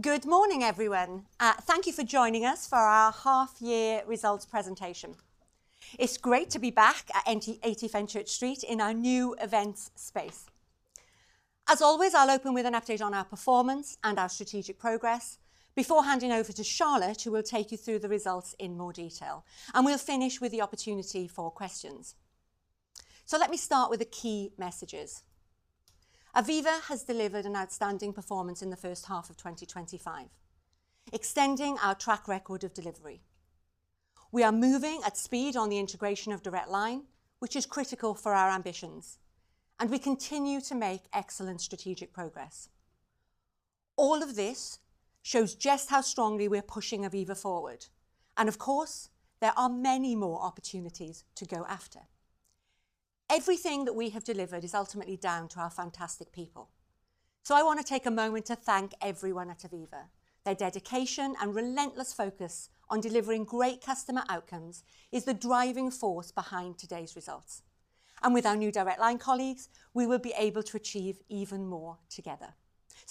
Good morning, everyone. Thank you for joining us for our half-year results presentation. It's great to be back at 8th and Church Street in our new events space. As always, I'll open with an update on our performance and our strategic progress before handing over to Charlotte, who will take you through the results in more detail. We will finish with the opportunity for questions. Let me start with the key messages. Aviva has delivered an outstanding performance in the first half of 2025, extending our track record of delivery. We are moving at speed on the integration of Direct Line, which is critical for our ambitions, and we continue to make excellent strategic progress. All of this shows just how strongly we're pushing Aviva forward. There are many more opportunities to go after. Everything that we have delivered is ultimately down to our fantastic people. I want to take a moment to thank everyone at Aviva. Their dedication and relentless focus on delivering great customer outcomes is the driving force behind today's results. With our new Direct Line colleagues, we will be able to achieve even more together.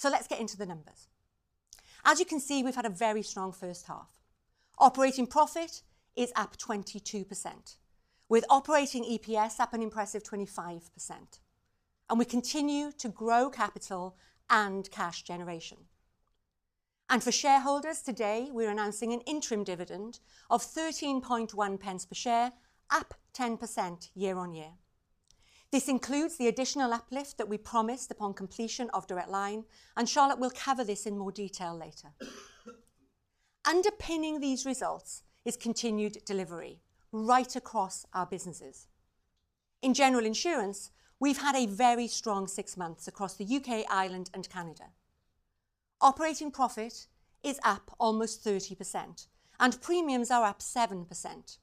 Let's get into the numbers. As you can see, we've had a very strong first half. Operating profit is up 22%, with Operating EPS up an impressive 25%. We continue to grow capital and cash generation. For shareholders today, we're announcing an interim dividend of 0.131 per share, up 10% year-on-year. This includes the additional uplift that we promised upon completion of Direct Line, and Charlotte will cover this in more detail later. Underpinning these results is continued delivery right across our businesses. In general insurance, we've had a very strong six months across the U.K., Ireland, and Canada. Operating profit is up almost 30%, and premiums are up 7%.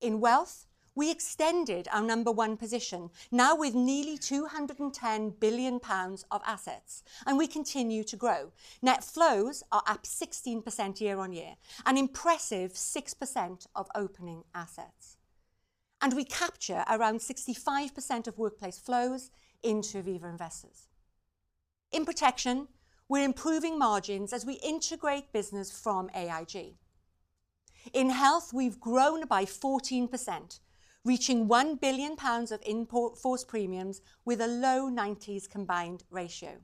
In wealth, we extended our number one position, now with nearly 210 billion pounds of assets, and we continue to grow. Net flows are up 16% year-on-year, an impressive 6% of opening assets. We capture around 65% of workplace flows into Aviva Investors. In protection, we're improving margins as we integrate business from AIG. In health, we've grown by 14%, reaching 1 billion pounds of in-force premiums with a low 90s combined ratio.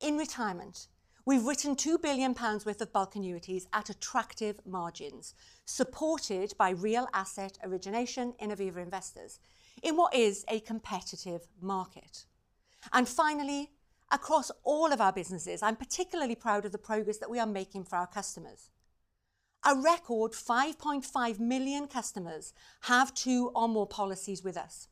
In retirement, we've written 2 billion pounds worth of bulk purchase annuities at attractive margins, supported by real asset origination in Aviva Investors in what is a competitive market. Finally, across all of our businesses, I'm particularly proud of the progress that we are making for our customers. A record 5.5 million customers have two or more policies with us.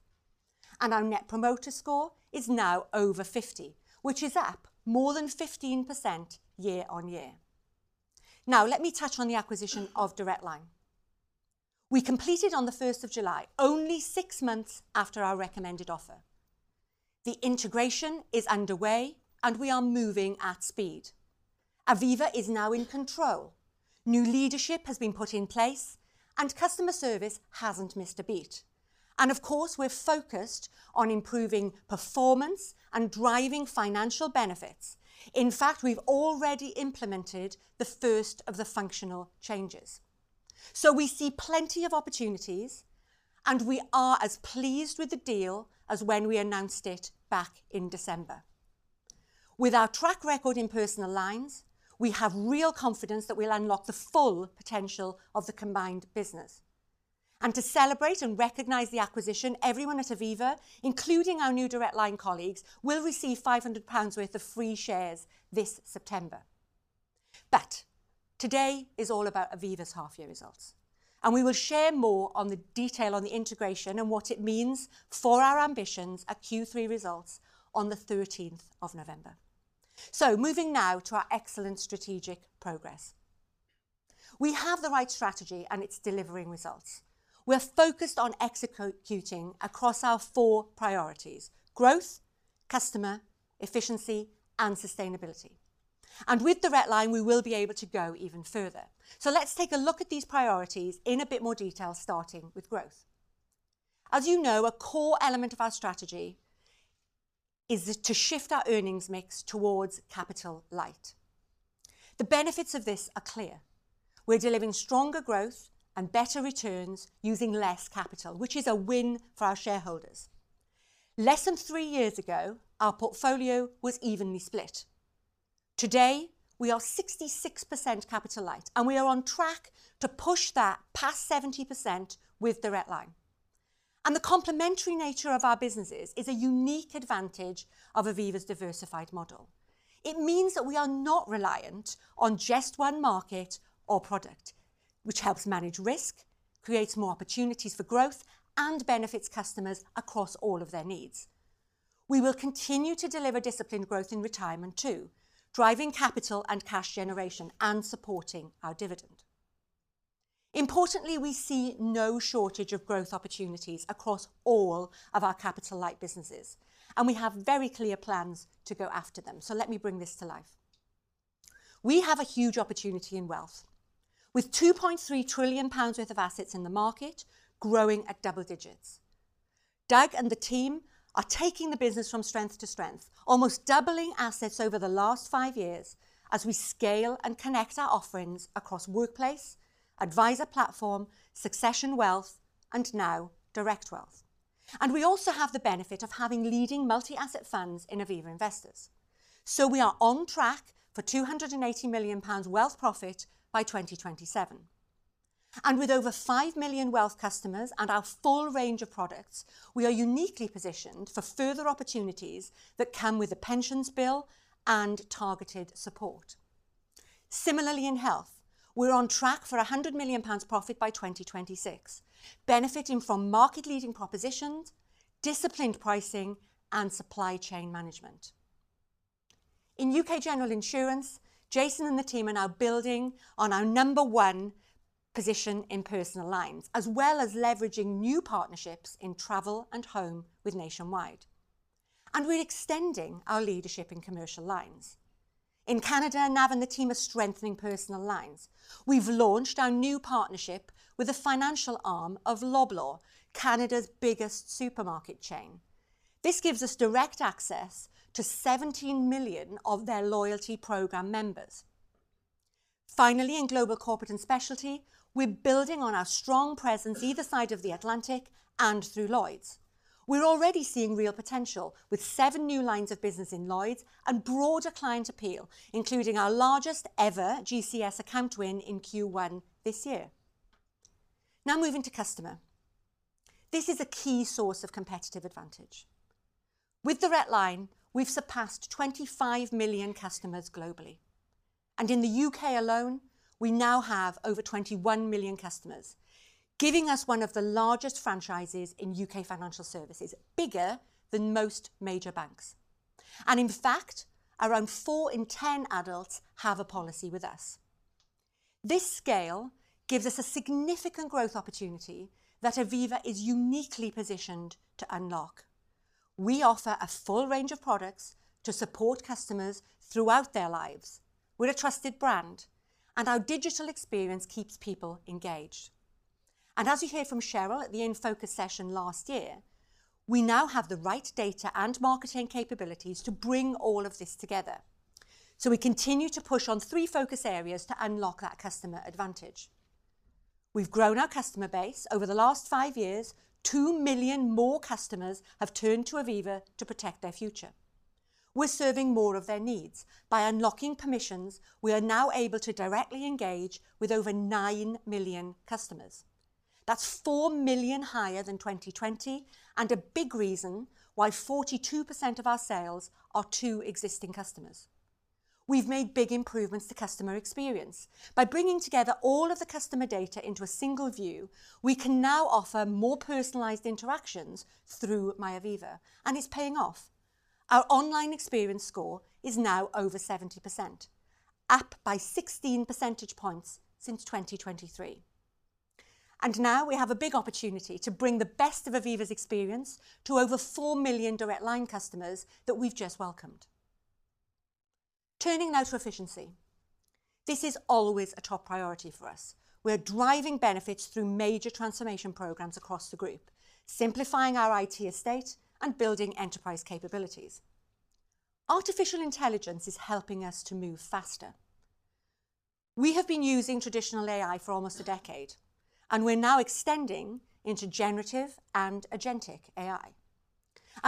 Our Net Promoter SCOR is now over 50, which is up more than 15% year-on-year. Let me touch on the acquisition of Direct Line. We completed on 1st of July, only six months after our recommended offer. The integration is underway, and we are moving at speed. Aviva is now in control. New leadership has been put in place, and customer service has not missed a beat. Of course, we're focused on improving performance and driving financial benefits. In fact, we've already implemented the first of the functional changes. We see plenty of opportunities, and we are as pleased with the deal as when we announced it back in December. With our track record in personal lines, we have real confidence that we'll unlock the full potential of the combined business. To celebrate and recognize the acquisition, everyone at Aviva, including our Direct Line colleagues, will receive 500 pounds worth of free shares this September. Today is all about Aviva's half-year results. We will share more on the detail on the integration and what it means for our ambitions at Q3 results on 13th of November. Moving now to our excellent strategic progress, we have the right strategy, and it's delivering results. We're focused on executing across our four priorities: growth, customer, efficiency, and sustainability. With Direct Line, we will be able to go even further. Let's take a look at these priorities in a bit more detail, starting with growth. As you know, a COR element of our strategy is to shift our earnings mix towards capital light. The benefits of this are clear. We're delivering stronger growth and better returns using less capital, which is a win for our shareholders. Less than three years ago, our portfolio was evenly split. Today, we are 66% capital light, and we are on track to push that past 70% with Direct Line. The complementary nature of our businesses is a unique advantage of Aviva's diversified model. It means that we are not reliant on just one market or product, which helps manage risk, creates more opportunities for growth, and benefits customers across all of their needs. We will continue to deliver disciplined growth in retirement too, driving capital and cash generation and supporting our dividend. Importantly, we see no shortage of growth opportunities across all of our capital light businesses, and we have very clear plans to go after them. Let me bring this to life. We have a huge opportunity in wealth, with 2.3 trillion pounds worth of assets in the market, growing at double digits. Doug and the team are taking the business from strength to strength, almost doubling assets over the last five years as we scale and connect our offerings across workplace, adviser platform, Succession Wealth, and now direct wealth. We also have the benefit of having leading multi-asset funds in Aviva Investors. We are on track for 280 million pounds wealth profit by 2027. With over 5 million wealth customers and our full range of products, we are uniquely positioned for further opportunities that come with a pensions bill and targeted support. Similarly, in health, we're on track for 100 million pounds profit by 2026, benefiting from market-leading propositions, disciplined pricing, and supply chain management. In U.K. general insurance, Jason and the team are now building on our number one position in personal lines, as well as leveraging new partnerships in travel and home with Nationwide. We're extending our leadership in commercial lines. In Canada, Nav and the team are strengthening personal lines. We've launched our new partnership with a financial arm of Loblaw, Canada's biggest supermarket chain. This gives us direct access to 17 million of their loyalty program members. Finally, in global corporate and specialty, we're building on our strong presence either side of the Atlantic and through Lloyd's. We're already seeing real potential with seven new lines of business in Lloyd's and broader client appeal, including our largest ever GCS account win in Q1 this year. Now moving to customer. This is a key source of competitive advantage. With Direct Line, we've surpassed 25 million customers globally. In the U.K. alone, we now have over 21 million customers, giving us one of the largest franchises in U.K. financial services, bigger than most major banks. In fact, around four in ten adults have a policy with us. This scale gives us a significant growth opportunity that Aviva is uniquely positioned to unlock. We offer a full range of products to support customers throughout their lives with a trusted brand, and our digital experience keeps people engaged. As you heard from Cheryl at the InFocus session last year, we now have the right data and marketing capabilities to bring all of this together. We continue to push on three focus areas to unlock that customer advantage. We've grown our customer base over the last five years. Two million more customers have turned to Aviva to protect their future. We're serving more of their needs by unlocking permissions. We are now able to directly engage with over 9 million customers. That's 4 million higher than 2020, and a big reason why 42% of our sales are to existing customers. We've made big improvements to customer experience. By bringing together all of the customer data into a single view, we can now offer more personalized interactions through MyAviva, and it's paying off. Our online experience sCOR is now over 70%, up by 16 percentage points since 2023. We now have a big opportunity to bring the best of Aviva's experience to over 4 million Direct Line customers that we've just welcomed. Turning now to efficiency, this is always a top priority for us. We're driving benefits through major transformation programs across the group, simplifying our IT estate and building enterprise capabilities. Artificial intelligence is helping us to move faster. We have been using traditional AI for almost a decade, and we're now extending into generative and agentic AI.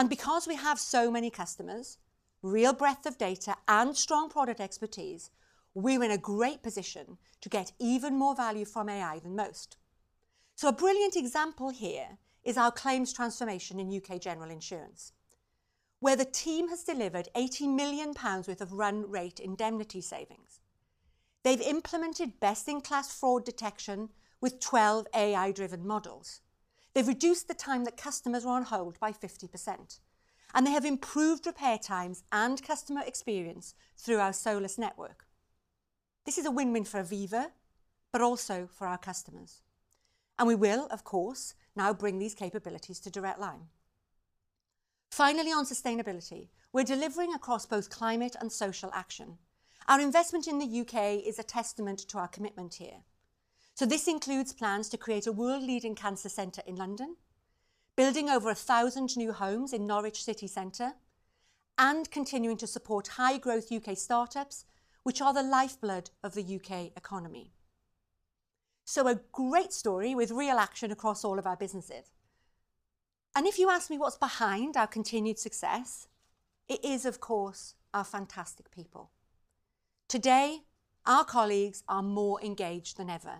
Because we have so many customers, real breadth of data, and strong product expertise, we're in a great position to get even more value from AI than most. A brilliant example here is our claims transformation in U.K. general insurance, where the team has delivered 80 million pounds worth of run-rate indemnity savings. They've implemented best-in-class fraud detection with 12 AI-driven models. They've reduced the time that customers were on hold by 50%. They have improved repair times and customer experience through our Solus network. This is a win-win for Aviva, but also for our customers. We will, of course, now bring these to Direct Line. Finally, on sustainability, we're delivering across both climate and social action. Our investment in the U.K. is a testament to our commitment here. This includes plans to create a world-leading cancer center in London, building over 1,000 new homes in Norwich City Center, and continuing to support high-growth U.K. startups, which are the lifeblood of the U.K. economy. A great story with real action across all of our businesses. If you ask me what's behind our continued success, it is, of course, our fantastic people. Today, our colleagues are more engaged than ever,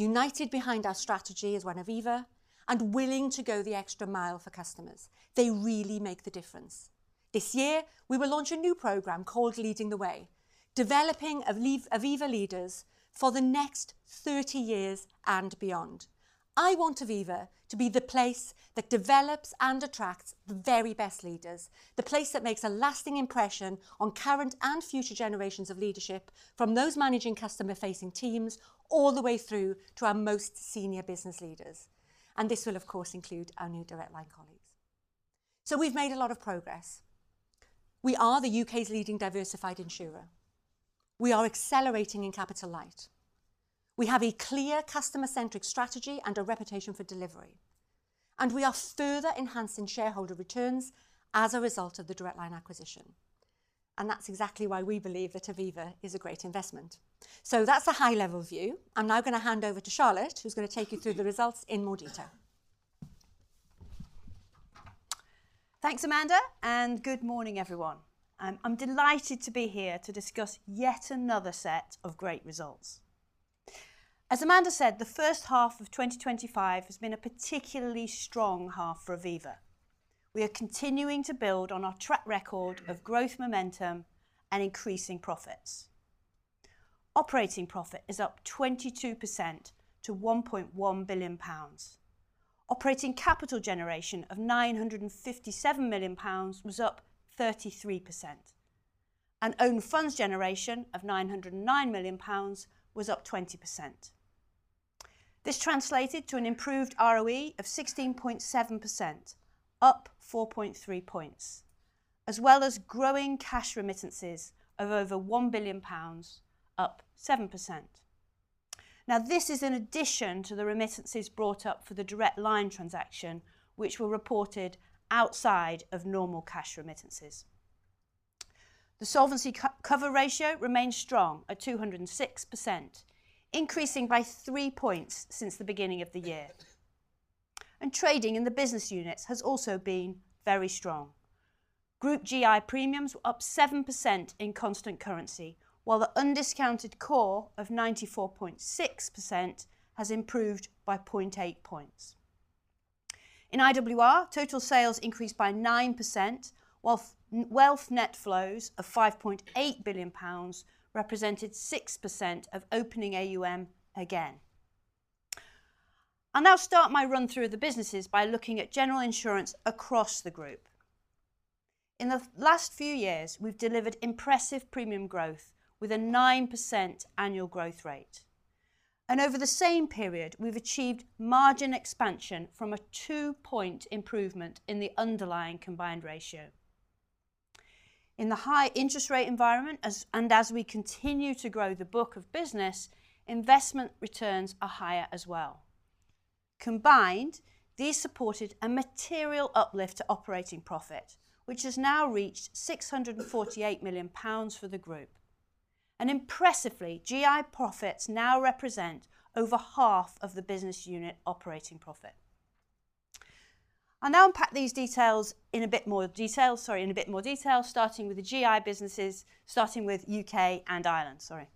united behind our strategy as one Aviva, and willing to go the extra mile for customers. They really make the difference. This year, we will launch a new program called Leading the Way, developing Aviva leaders for the next 30 years and beyond. I want Aviva to be the place that develops and attracts the very best leaders, the place that makes a lasting impression on current and future generations of leadership, from those managing customer-facing teams all the way through to our most senior business leaders. This will, of course, include our new Direct Line colleagues. We have made a lot of progress. We are the U.K.'s leading diversified insurer. We are accelerating in capital light. We have a clear customer-centric strategy and a reputation for delivery. We are further enhancing shareholder returns as a result of the Direct Line acquisition. That is exactly why we believe that Aviva is a great investment. That is a high-level view. I am now going to hand over to Charlotte, who's going to take you through the results in more detail. Thanks, Amanda, and good morning, everyone. I'm delighted to be here to discuss yet another set of great results. As Amanda said, the first half of 2025 has been a particularly strong half for Aviva. We are continuing to build on our track record of growth momentum and increasing profits. Operating profit is up 22% to 1.1 billion pounds. Operating capital generation of 957 million pounds was up 33%. Own funds generation of 909 million pounds was up 20%. This translated to an improved ROE of 16.7%, up 4.3 points, as well as growing cash remittances of over 1 billion pounds, up 7%. This is in addition to the remittances brought up for the Direct Line transaction, which were reported outside of normal cash remittances. The Solvency cover ratio remains strong at 206%, increasing by three points since the beginning of the year. Trading in the business units has also been very strong. Group GI premiums were up 7% in constant currency, while the undiscounted COR of 94.6% has improved by 0.8 points. In individual annuities, workplace pensions, and retirement, total sales increased by 9%, while wealth net flows of 5.8 billion pounds represented 6% of opening assets under management again. I will now start my run-through of the businesses by looking at general insurance across the group. In the last few years, we've delivered impressive premium growth with a 9% annual growth rate. Over the same period, we've achieved margin expansion from a two-point improvement in the underlying combined ratio. In the high-interest rate environment, as we continue to grow the book of business, investment returns are higher as well. Combined, these supported a material uplift to operating profit, which has now reached 648 million pounds for the group. Impressively, GI profits now represent over half of the business unit operating profit. I'll now unpack these details in a bit more detail, starting with the GI businesses, starting with U.K. and Ireland, sorry.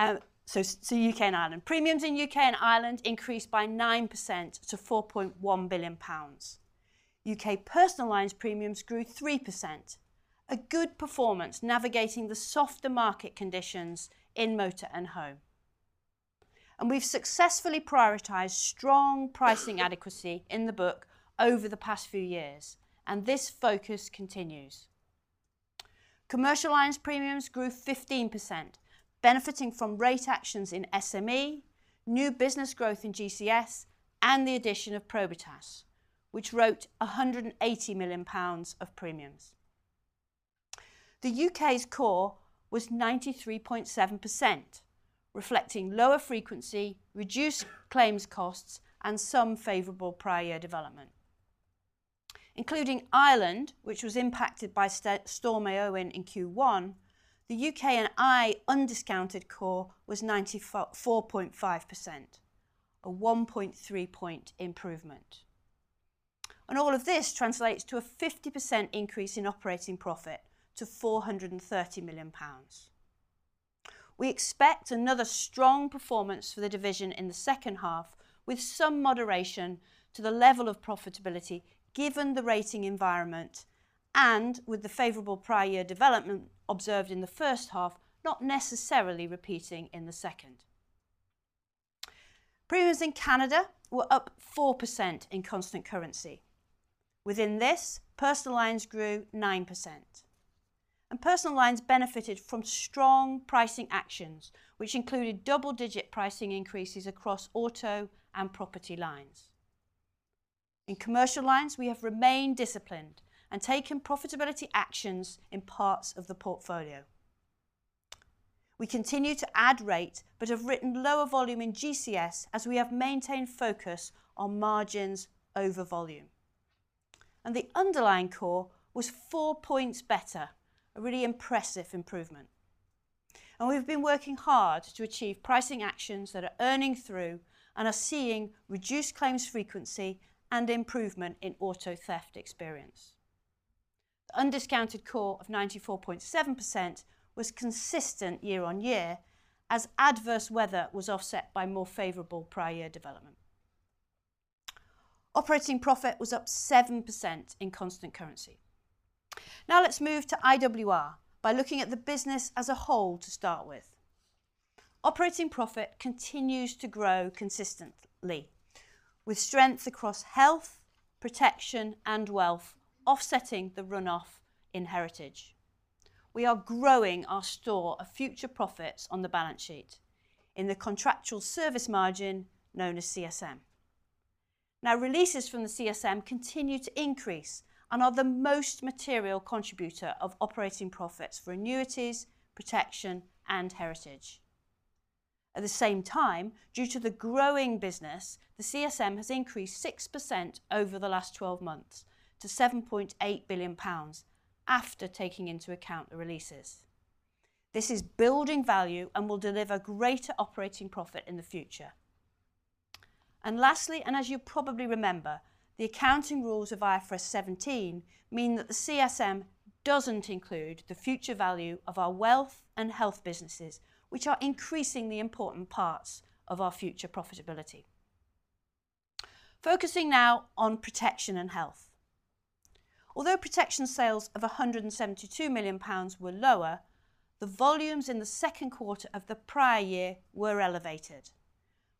U.K. and Ireland. Premiums in U.K. and Ireland increased by 9% to 4.1 billion pounds. U.K. personal lines premiums grew 3%, a good performance navigating the softer market conditions in motor and home. We've successfully prioritized strong pricing adequacy in the book over the past few years, and this focus continues. Commercial lines premiums grew 15%, benefiting from rate actions in SME, new business growth in GCS, and the addition of Probitas, which wrote 180 million pounds of premiums. The U.K.'s COR was 93.7%, reflecting lower frequency, reduced claims costs, and some favorable prior year development. Including Ireland, which was impacted by Storm Eowyn in Q1, the U.K. and Ireland undiscounted COR was 94.5%, a 1.3 point improvement. All of this translates to a 50% increase in operating profit to 430 million pounds. We expect another strong performance for the division in the second half, with some moderation to the level of profitability, given the rating environment and with the favorable prior year development observed in the first half not necessarily repeating in the second. Premiums in Canada were up 4% in constant currency. Within this, personal lines grew 9%. Personal lines benefited from strong pricing actions, which included double-digit pricing increases across auto and property lines. In commercial lines, we have remained disciplined and taken profitability actions in parts of the portfolio. We continue to add rate but have written lower volume in GCS as we have maintained focus on margins over volume. The underlying COR was four points better, a really impressive improvement. We've been working hard to achieve pricing actions that are earning through and are seeing reduced claims frequency and improvement in auto theft experience. The undiscounted COR of 94.7% was consistent year-on-year as adverse weather was offset by more favorable prior year development. Operating profit was up 7% in constant currency. Now let's move to IWR by looking at the business as a whole to start with. Operating profit continues to grow consistently, with strengths across health, protection, and wealth offsetting the runoff in heritage. We are growing our store of future profits on the balance sheet in the contractual service margin known as CSM. Now, releases from the CSM continue to increase and are the most material contributor of operating profits for annuities, protection, and heritage. At the same time, due to the growing business, the CSM has increased 6% over the last 12 months to 7.8 billion pounds after taking into account the releases. This is building value and will deliver greater operating profit in the future. Lastly, as you probably remember, the accounting rules of IFRS 17 mean that the CSM doesn't include the future value of our wealth and health businesses, which are increasingly important parts of our future profitability. Focusing now on protection and health. Although protection sales of 172 million pounds were lower, the volumes in the second quarter of the prior year were elevated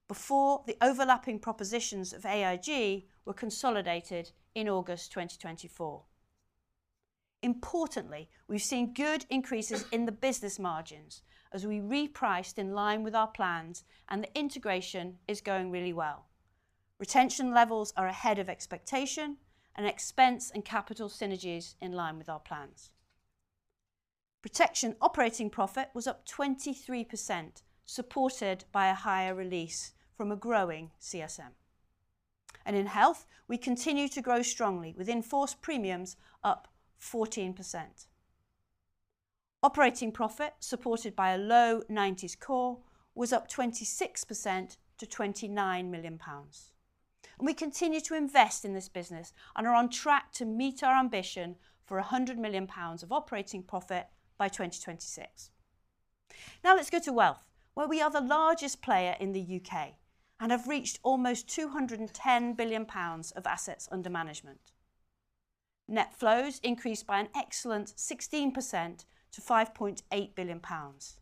before the overlapping propositions of AIG were consolidated in August 2024. Importantly, we've seen good increases in the business margins as we repriced in line with our plans, and the integration is going really well. Retention levels are ahead of expectation, and expense and capital synergies are in line with our plans. Protection operating profit was up 23%, supported by a higher release from a growing CSM. In health, we continue to grow strongly with in-force premiums up 14%. Operating profit, supported by a low 90s COR, was up 26% to 29 million pounds. We continue to invest in this business and are on track to meet our ambition for 100 million pounds of operating profit by 2026. Now let's go to wealth, where we are the largest player in the U.K. and have reached almost 210 billion pounds of assets under management. Net flows increased by an excellent 16% to 5.8 billion pounds.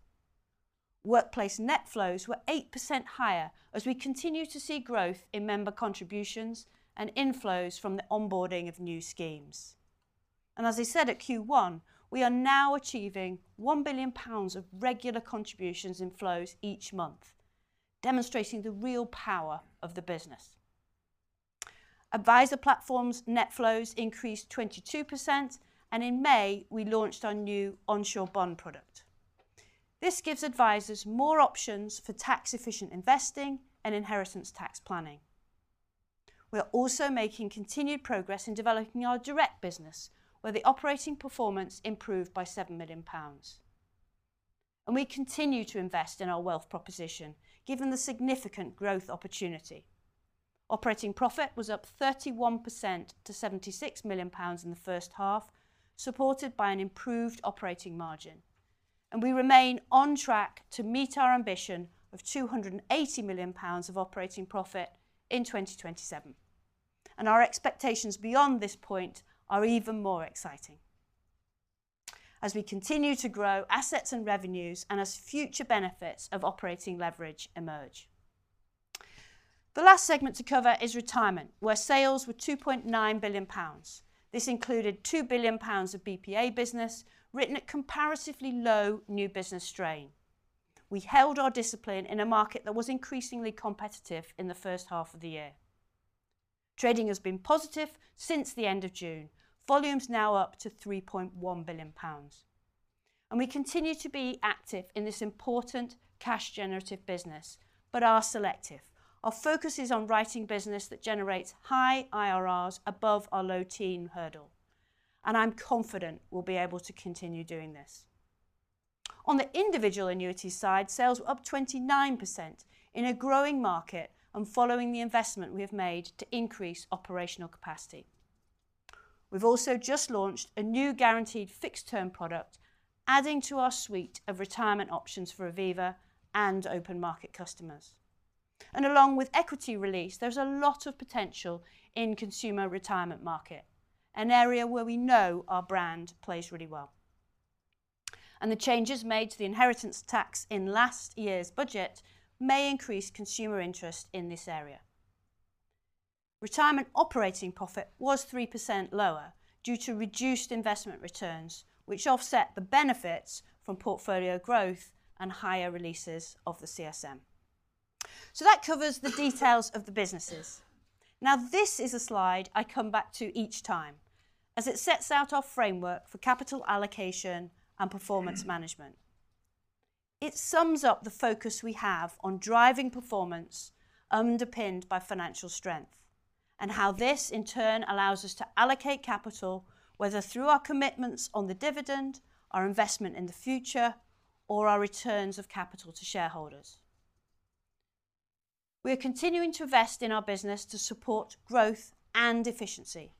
Workplace net flows were 8% higher as we continue to see growth in member contributions and inflows from the onboarding of new schemes. As I said at Q1, we are now achieving 1 billion pounds of regular contributions in flows each month, demonstrating the real power of the business. Adviser platforms net flows increased 22%, and in May, we launched our new onshore bond product. This gives advisers more options for tax-efficient investing and inheritance tax planning. We're also making continued progress in developing our direct business, where the operating performance improved by 7 million pounds. We continue to invest in our wealth proposition, given the significant growth opportunity. Operating profit was up 31% to 76 million pounds in the first half, supported by an improved operating margin. We remain on track to meet our ambition of 280 million pounds of operating profit in 2027. Our expectations beyond this point are even more exciting, as we continue to grow assets and revenues, and as future benefits of operating leverage emerge. The last segment to cover is retirement, where sales were 2.9 billion pounds. This included 2 billion pounds of bulk purchase annuities business written at comparatively low new business strain. We held our discipline in a market that was increasingly competitive in the first half of the year. Trading has been positive since the end of June, with volumes now up to 3.1 billion pounds. We continue to be active in this important cash-generative business, but are selective. Our focus is on writing business that generates high IRRs above our low teen hurdle. I'm confident we'll be able to continue doing this. On the individual annuity side, sales were up 29% in a growing market and following the investment we have made to increase operational capacity. We've also just launched a new guaranteed fixed-term product, adding to our suite of retirement options for Aviva and open market customers. Along with equity release, there's a lot of potential in the consumer retirement market, an area where we know our brand plays really well. The changes made to the inheritance tax in last year's budget may increase consumer interest in this area. Retirement operating profit was 3% lower due to reduced investment returns, which offset the benefits from portfolio growth and higher releases of the CSM. That covers the details of the businesses. This is a slide I come back to each time as it sets out our framework for capital allocation and performance management. It sums up the focus we have on driving performance underpinned by financial strength and how this, in turn, allows us to allocate capital, whether through our commitments on the dividend, our investment in the future, or our returns of capital to shareholders. We are continuing to invest in our business to support growth and efficiency.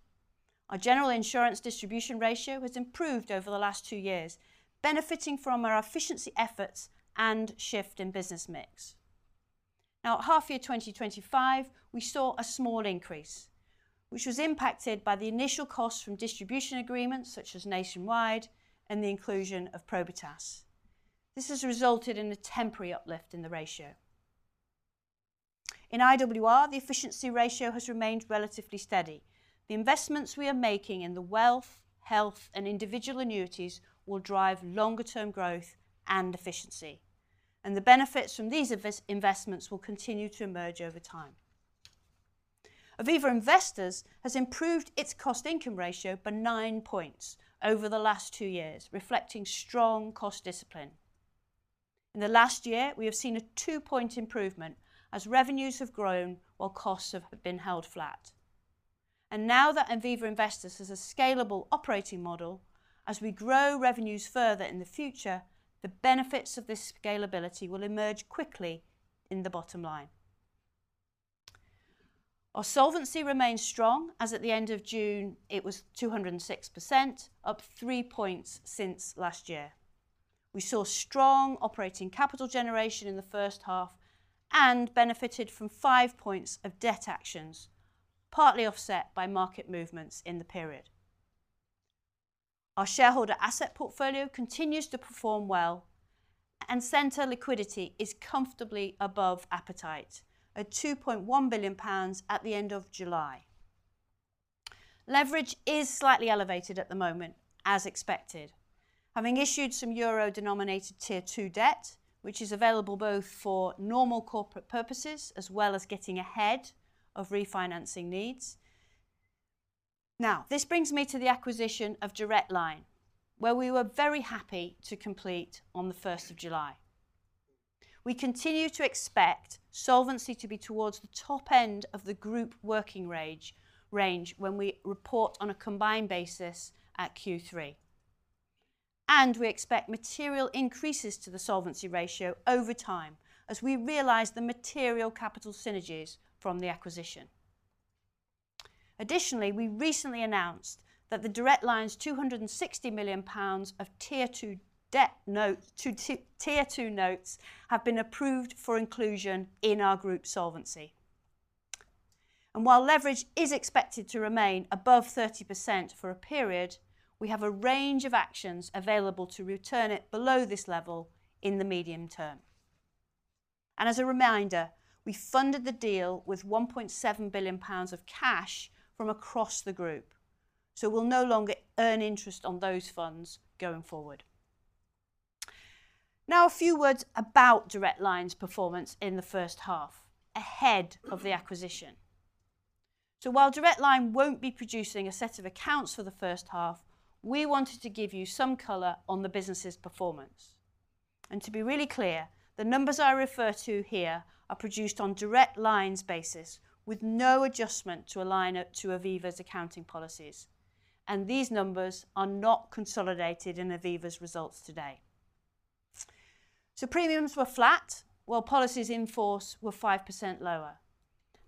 Our general insurance distribution ratio has improved over the last two years, benefiting from our efficiency efforts and shift in business mix. Now, at half-year 2025, we saw a small increase, which was impacted by the initial costs from distribution agreements, such as Nationwide, and the inclusion of Probitas. This has resulted in a temporary uplift in the ratio. In IWR, the efficiency ratio has remained relatively steady. The investments we are making in the wealth, health, and individual annuities will drive longer-term growth and efficiency. The benefits from these investments will continue to emerge over time. Aviva Investors has improved its cost-income ratio by 9 points over the last two years, reflecting strong cost discipline. In the last year, we have seen a 2-point improvement as revenues have grown while costs have been held flat. Now that Aviva Investors has a scalable operating model, as we grow revenues further in the future, the benefits of this scalability will emerge quickly in the bottom line. Our solvency remains strong, as at the end of June, it was 206%, up 3 points since last year. We saw strong operating capital generation in the first half and benefited from 5 points of debt actions, partly offset by market movements in the period. Our shareholder asset portfolio continues to perform well, and center liquidity is comfortably above appetite at 2.1 billion pounds at the end of July. Leverage is slightly elevated at the moment, as expected, having issued some euro-denominated tier two debt, which is available both for normal corporate purposes as well as getting ahead of refinancing needs. This brings me to the acquisition Direct Line, where we were very happy to complete on the 1st of July. We continue to expect solvency to be towards the top end of the group working range when we report on a combined basis at Q3. We expect material increases to the solvency ratio over time as we realize the material capital synergies from the acquisition. Additionally, we recently announced that Direct Line's 260 million pounds of tier two debt notes have been approved for inclusion in our group solvency. While leverage is expected to remain above 30% for a period, we have a range of actions available to return it below this level in the medium term. As a reminder, we funded the deal with 1.7 billion pounds of cash from across the group. We will no longer earn interest on those funds going forward. A few words Direct Line's performance in the first half, ahead of the acquisition. While Direct Line will not be producing a set of accounts for the first half, we wanted to give you some color on the business's performance. To be really clear, the numbers I refer to here are produced Direct Line's basis with no adjustment to align to Aviva's accounting policies. These numbers are not consolidated in Aviva's results today. Premiums were flat, while policies in force were 5% lower,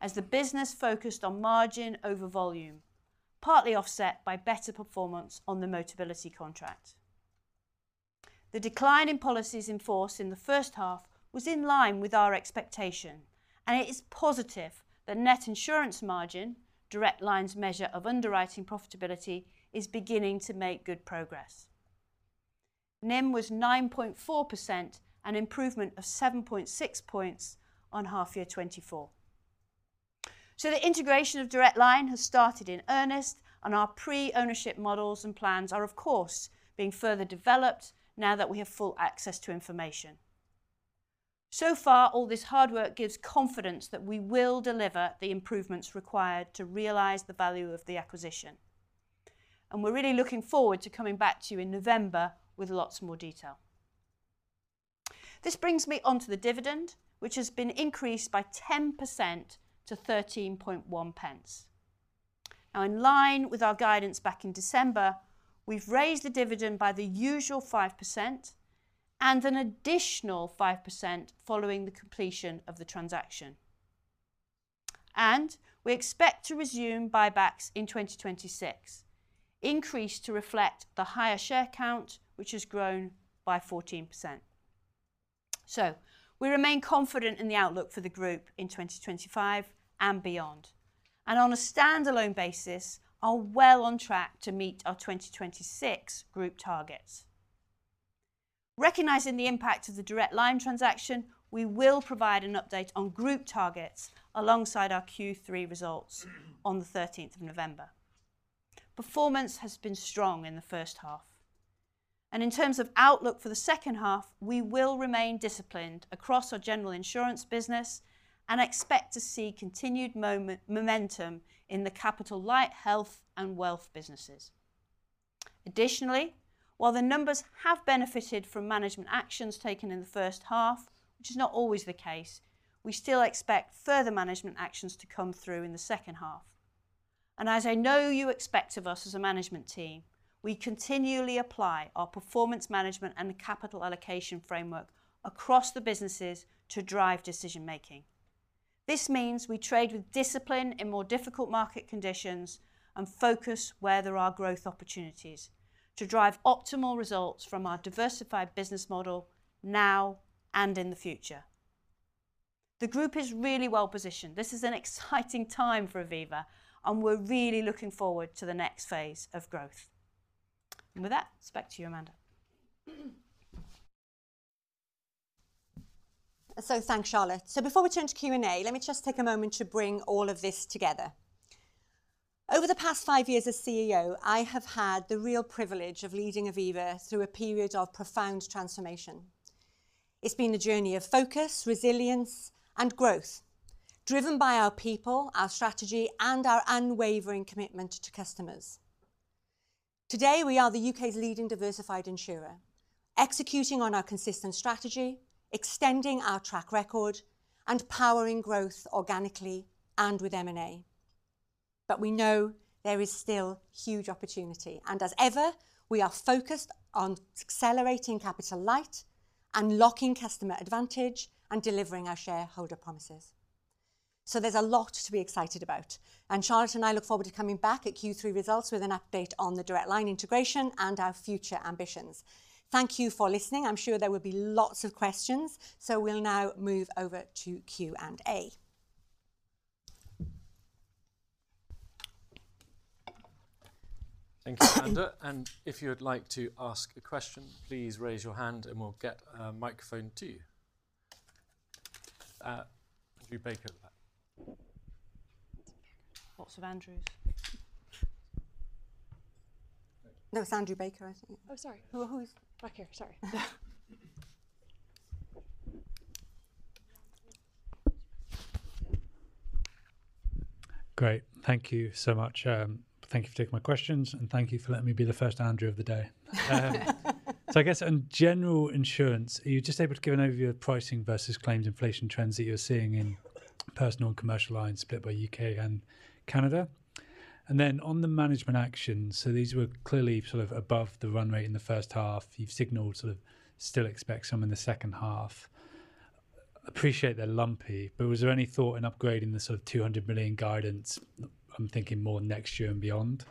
as the business focused on margin over volume, partly offset by better performance on the Motability contract. The decline in policies in force in the first half was in line with our expectation, and it is positive that net insurance Direct Line's measure of underwriting profitability, is beginning to make good progress. NEM was 9.4%, an improvement of 7.6 points on half-year 2024. The integration Direct Line has started in earnest, and our pre-ownership models and plans are, of course, being further developed now that we have full access to information. So far, all this hard work gives confidence that we will deliver the improvements required to realize the value of the acquisition. We are really looking forward to coming back to you in November with lots more detail. This brings me onto the dividend, which has been increased by 10% to 0.131. In line with our guidance back in December, we have raised the dividend by the usual 5% and an additional 5% following the completion of the transaction. We expect to resume buybacks in 2026, increased to reflect the higher share count, which has grown by 14%. We remain confident in the outlook for the group in 2025 and beyond. On a standalone basis, we are well on track to meet our 2026 group targets. Recognizing the impact of Direct Line transaction, we will provide an update on group targets alongside our Q3 results on the 13th of November. Performance has been strong in the first half. In terms of outlook for the second half, we will remain disciplined across our general insurance business and expect to see continued momentum in the capital light, health, and wealth businesses. Additionally, while the numbers have benefited from management actions taken in the first half, which is not always the case, we still expect further management actions to come through in the second half. As I know you expect of us as a management team, we continually apply our performance management and the capital allocation framework across the businesses to drive decision-making. This means we trade with discipline in more difficult market conditions and focus where there are growth opportunities to drive optimal results from our diversified business model now and in the future. The group is really well positioned. This is an exciting time for Aviva, and we're really looking forward to the next phase of growth. With that, back to you, Amanda. Thanks, Charlotte. Before we turn to Q&A, let me just take a moment to bring all of this together. Over the past five years as CEO, I have had the real privilege of leading Aviva through a period of profound transformation. It's been the journey of focus, resilience, and growth, driven by our people, our strategy, and our unwavering commitment to customers. Today, we are the U.K.'s leading diversified insurer, executing on our consistent strategy, extending our track record, and powering growth organically and with M&A. We know there is still huge opportunity. As ever, we are focused on accelerating capital light, unlocking customer advantage, and delivering our shareholder promises. There is a lot to be excited about. Charlotte and I look forward to coming back at Q3 results with an update on the Direct Line integration and our future ambitions. Thank you for listening. I'm sure there will be lots of questions. We will now move over to Q&A. Thanks, Amanda. If you would like to ask a question, please raise your hand and we'll get a microphone to you. Andrew Baker at the back. Lots of Andrews. No, it's Andrew Baker, I think. Sorry. Who's back here? Sorry. Great. Thank you so much. Thank you for taking my questions, and thank you for letting me be the first Andrew of the day. I guess in general insurance, are you just able to give an overview of pricing versus claims inflation trends that you're seeing in personal and commercial lines split by U.K. and Canada? On the management actions, these were clearly sort of above the run rate in the first half. You've signaled sort of still expect some in the second half. I appreciate they're lumpy, but was there any thought in upgrading the sort of 200 million guidance? I'm thinking more next year and beyond.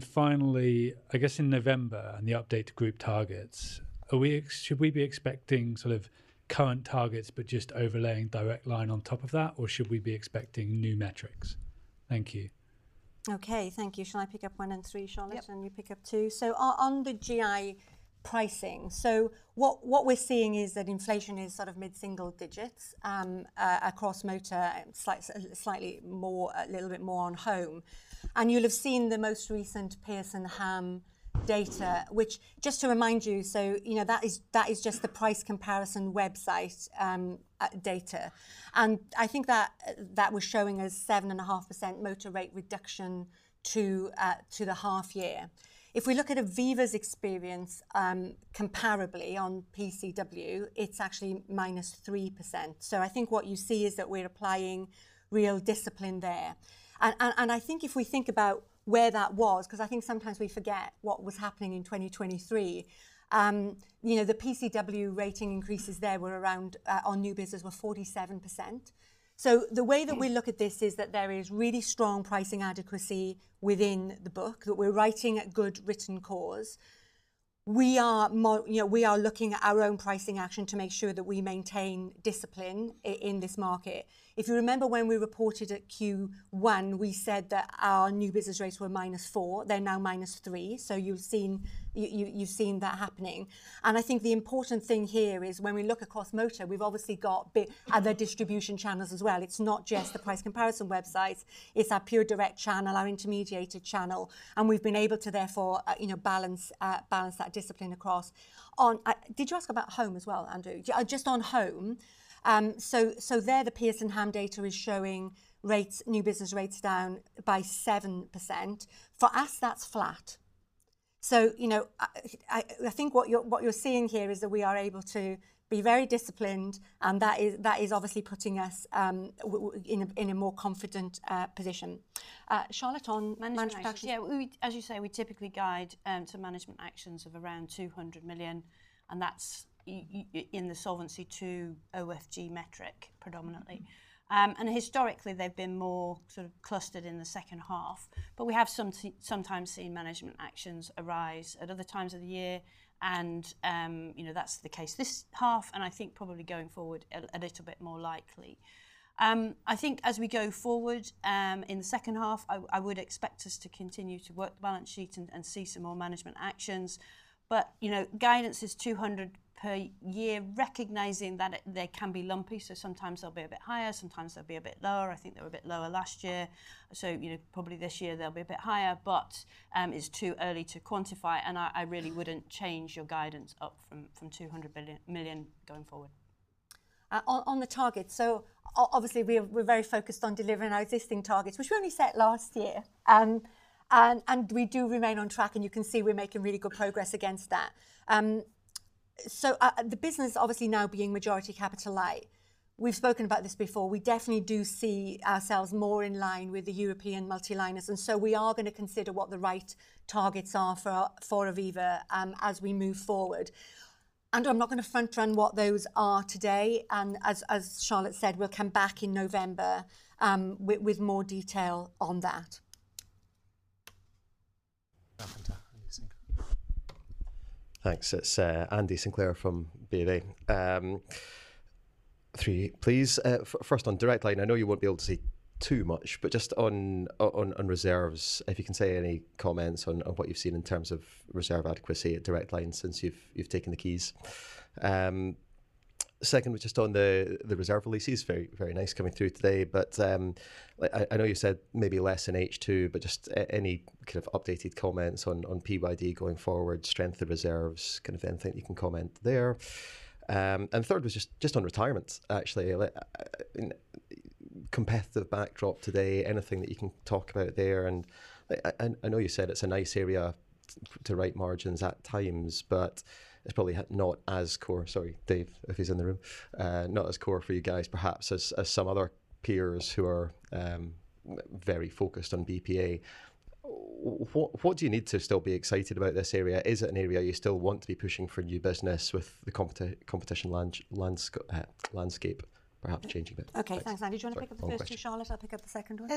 Finally, I guess in November and the update to group targets, should we be expecting sort of current targets, but just Direct Line on top of that, or should we be expecting new metrics? Thank you. Okay, thank you. Shall I pick up one and three, Charlotte, and you pick up two? On the GI pricing, what we're seeing is that inflation is sort of mid-single digits across motor and slightly more, a little bit more on home. You'll have seen the most recent Pearson HAM data, which, just to remind you, is just the price comparison website data. I think that was showing us 7.5% motor rate reduction to the half year. If we look at Aviva's experience comparably on PCW, it's actually minus 3%. I think what you see is that we're applying real discipline there. If we think about where that was, because I think sometimes we forget what was happening in 2023, the PCW rating increases there were around, on new business, were 47%. The way that we look at this is that there is really strong pricing adequacy within the book, that we're writing a good written cause. We are looking at our own pricing action to make sure that we maintain discipline in this market. If you remember when we reported at Q1, we said that our new business rates were -4%, they're now -3%. You've seen that happening. The important thing here is when we look across motor, we've obviously got other distribution channels as well. It's not just the price comparison websites. It's our pure direct channel, our intermediated channel. We've been able to therefore balance that discipline across. Did you ask about home as well, Andrew? Just on home, the Pearson HAM data is showing new business rates down by 7%. For us, that's flat. I think what you're seeing here is that we are able to be very disciplined, and that is obviously putting us in a more confident position. Charlotte, on management actions. Yeah. As you say, we typically guide to management actions of around 200 million, and that's in the solvency to OFG metric predominantly. Historically, they've been more sort of clustered in the second half. We have sometimes seen management actions arise at other times of the year, and that's the case this half, and I think probably going forward a little bit more likely. As we go forward in the second half, I would expect us to continue to work the balance sheet and see some more management actions. Guidance is 200 million per year, recognizing that they can be lumpy. Sometimes they'll be a bit higher, sometimes they'll be a bit lower. I think they were a bit lower last year. You know, probably this year they'll be a bit higher, but it's too early to quantify, and I really wouldn't change your guidance up from 200 million going forward. On the target, we're very focused on delivering our existing targets, which we only set last year. We do remain on track, and you can see we're making really good progress against that. The business is obviously now being majority capital light. We've spoken about this before. We definitely do see ourselves more in line with the European multiliners. We are going to consider what the right targets are for Aviva as we move forward. I'm not going to front-run what those are today. As Charlotte said, we'll come back in November with more detail on that. Welcome to Andy Sinclair. Thanks. It's Andy Sinclair from BofA. Three, please. First Direct Line, I know you won't be able to say too much, but just on reserves, if you can say any comments on what you've seen in terms of reserve adequacy Direct Line since you've taken the keys. Second, just on the reserve releases. Very, very nice coming through today. I know you said maybe less in H2, just any kind of updated comments on PYD going forward, strength of reserves, anything that you can comment there. Third was just on retirements, actually. Competitive backdrop today, anything that you can talk about there? I know you said it's a nice area to write margins at times, but it's probably not as COR. Sorry, Dave, if he's in the room. Not as COR for you guys, perhaps, as some other peers who are very focused on bulk purchase annuities. What do you need to still be excited about this area? Is it an area you still want to be pushing for new business with the competition landscape perhaps changing a bit. Okay, thanks, Andy. Do you want to pick up the first two, Charlotte? I'll pick up the second one.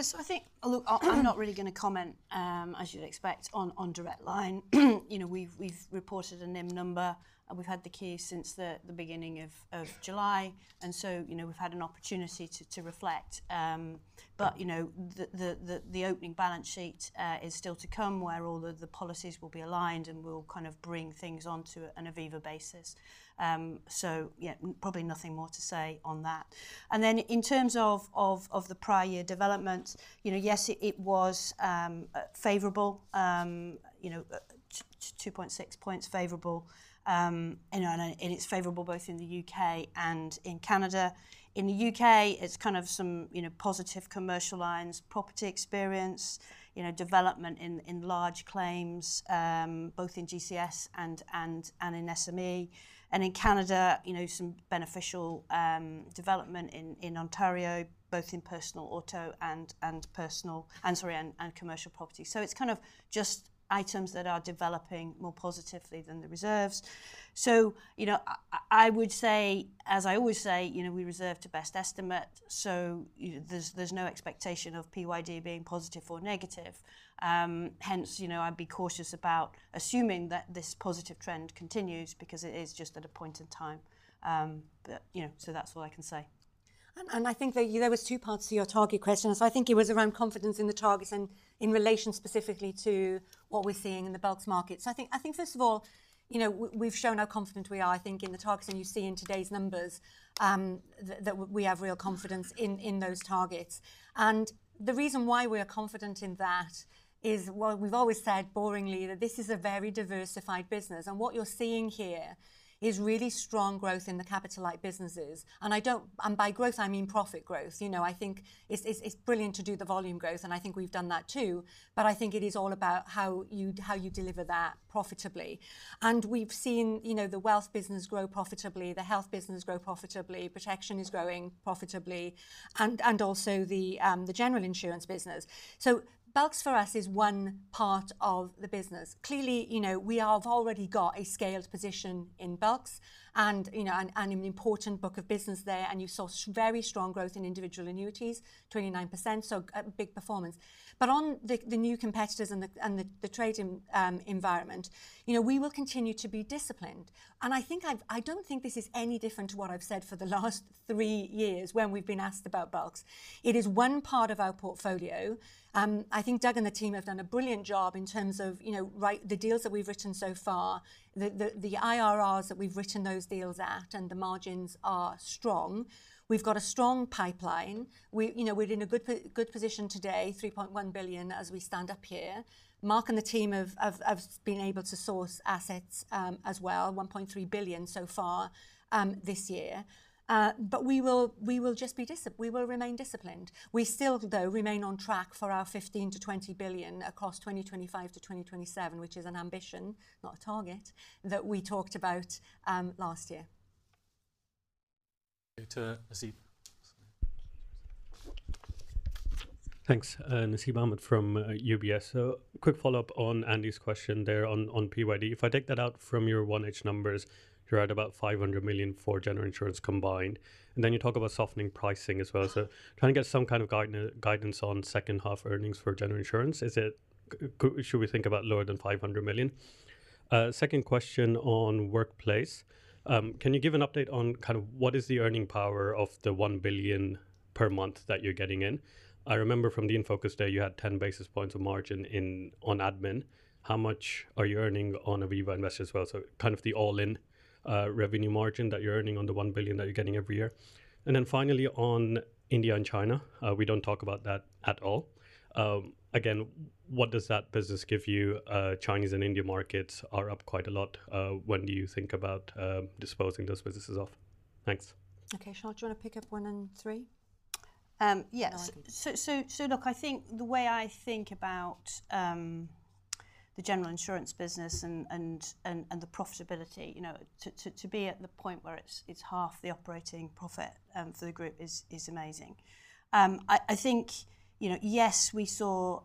I'm not really going to comment, as you'd expect, Direct Line. You know we've reported a NEM number, and we've had the keys since the beginning of July. You know we've had an opportunity to reflect. The opening balance sheet is still to come, where all of the policies will be aligned and will kind of bring things onto an Aviva basis. Yeah, probably nothing more to say on that. In terms of the prior year developments, yes, it was favorable, 2.6 points favorable. It's favorable both in the U.K. and in Canada. In the U.K., it's kind of some positive commercial lines, property experience, development in large claims, both in GCS and in SME. In Canada, some beneficial development in Ontario, both in personal auto and personal, and sorry, and commercial property. It's kind of just items that are developing more positively than the reserves. I would say, as I always say, we reserve to best estimate. There's no expectation of PYD being positive or negative. Hence, I'd be cautious about assuming that this positive trend continues because it is just at a point in time. That's all I can say. I think that there were two parts to your target question. I think it was around confidence in the targets and in relation specifically to what we're seeing in the bulk markets. First of all, we've shown how confident we are. I think in the targets and you see in today's numbers that we have real confidence in those targets. The reason why we are confident in that is, well, we've always said boringly that this is a very diversified business. What you're seeing here is really strong growth in the capital-light businesses. By growth, I mean profit growth. I think it's brilliant to do the volume growth, and I think we've done that too. I think it is all about how you deliver that profitably. We've seen the wealth business grow profitably, the health business grow profitably, protection is growing profitably, and also the general insurance business. Bulks for us is one part of the business. Clearly, we have already got a scaled position in bulks and an important book of business there. You saw very strong growth in individual annuities, 29%, so big performance. On the new competitors and the trade environment, we will continue to be disciplined. I don't think this is any different to what I've said for the last three years when we've been asked about bulks. It is one part of our portfolio. I think Doug and the team have done a brilliant job in terms of the deals that we've written so far, the IRRs that we've written those deals at, and the margins are strong. We've got a strong pipeline. We're in a good position today, 3.1 billion as we stand up here. Mark and the team have been able to source assets as well, 1.3 billion so far this year. We will just be disciplined. We will remain disciplined. We still, though, remain on track for our 15 billion-20 billion across 2025-2027, which is an ambition, not a target, that we talked about last year. Thanks. Nasib Ahmed from UBS. A quick follow-up on Andy's question there on PYD. If I take that out from your 1H numbers, you're at about 500 million for general insurance combined. You talk about softening pricing as well. Trying to get some kind of guidance on second half earnings for general insurance, should we think about lower than 500 million? Second question on workplace. Can you give an update on what is the earning power of the 1 billion per month that you're getting in? I remember from the Infocus day, you had 10 bps of margin on admin. How much are you earning on Aviva Investors as well? The all-in revenue margin that you're earning on the 1 billion that you're getting every year. Finally, on India and China, we don't talk about that at all. What does that business give you? Chinese and Indian markets are up quite a lot when you think about disposing those businesses off. Thanks. Okay, Charlotte, do you want to pick up one and three? Yes. I think the way I think about the general insurance business and the profitability, to be at the point where it's half the operating profit for the group is amazing. I think, yes, we saw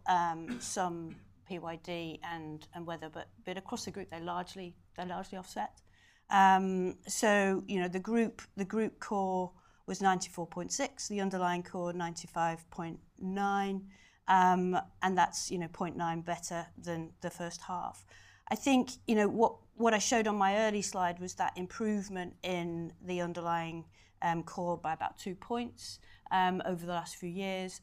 some PYD and weather, but across the group, they're largely offset. The group COR was 94.6, the underlying COR 95.9, and that's 0.9 better than the first half. What I showed on my early slide was that improvement in the underlying COR by about two points over the last few years.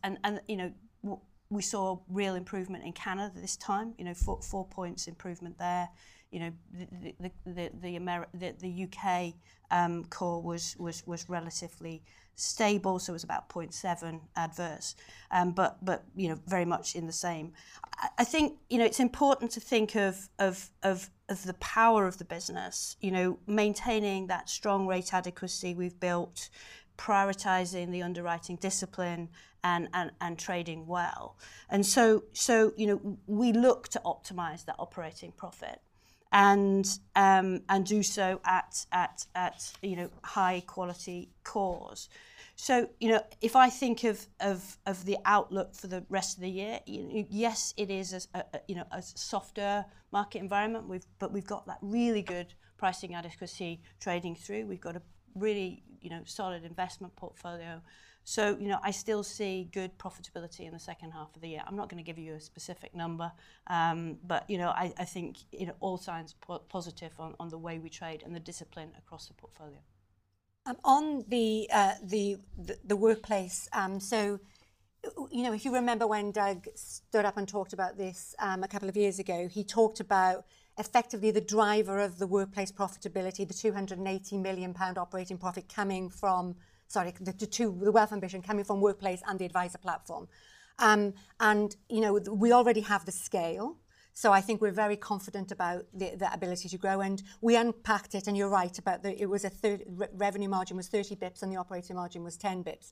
We saw real improvement in Canada this time, four points improvement there. The U.K. COR was relatively stable, so it was about 0.7 adverse, but very much in the same. I think it's important to think of the power of the business, maintaining that strong rate adequacy we've built, prioritizing the underwriting discipline, and trading well. We look to optimize that operating profit and do so at high-quality CORs. If I think of the outlook for the rest of the year, yes, it is a softer market environment, but we've got that really good pricing adequacy trading through. We've got a really solid investment portfolio. I still see good profitability in the second half of the year. I'm not going to give you a specific number, but I think all signs are positive on the way we trade and the discipline across the portfolio. On the workplace, if you remember when Doug stood up and talked about this a couple of years ago, he talked about effectively the driver of the workplace profitability, the 280 million pound operating profit coming from, sorry, the wealth ambition coming from workplace and the adviser platform. We already have the scale. I think we're very confident about the ability to grow. We unpacked it, and you're right about that. It was a revenue margin was 30 bps, and the operating margin was 10 bps.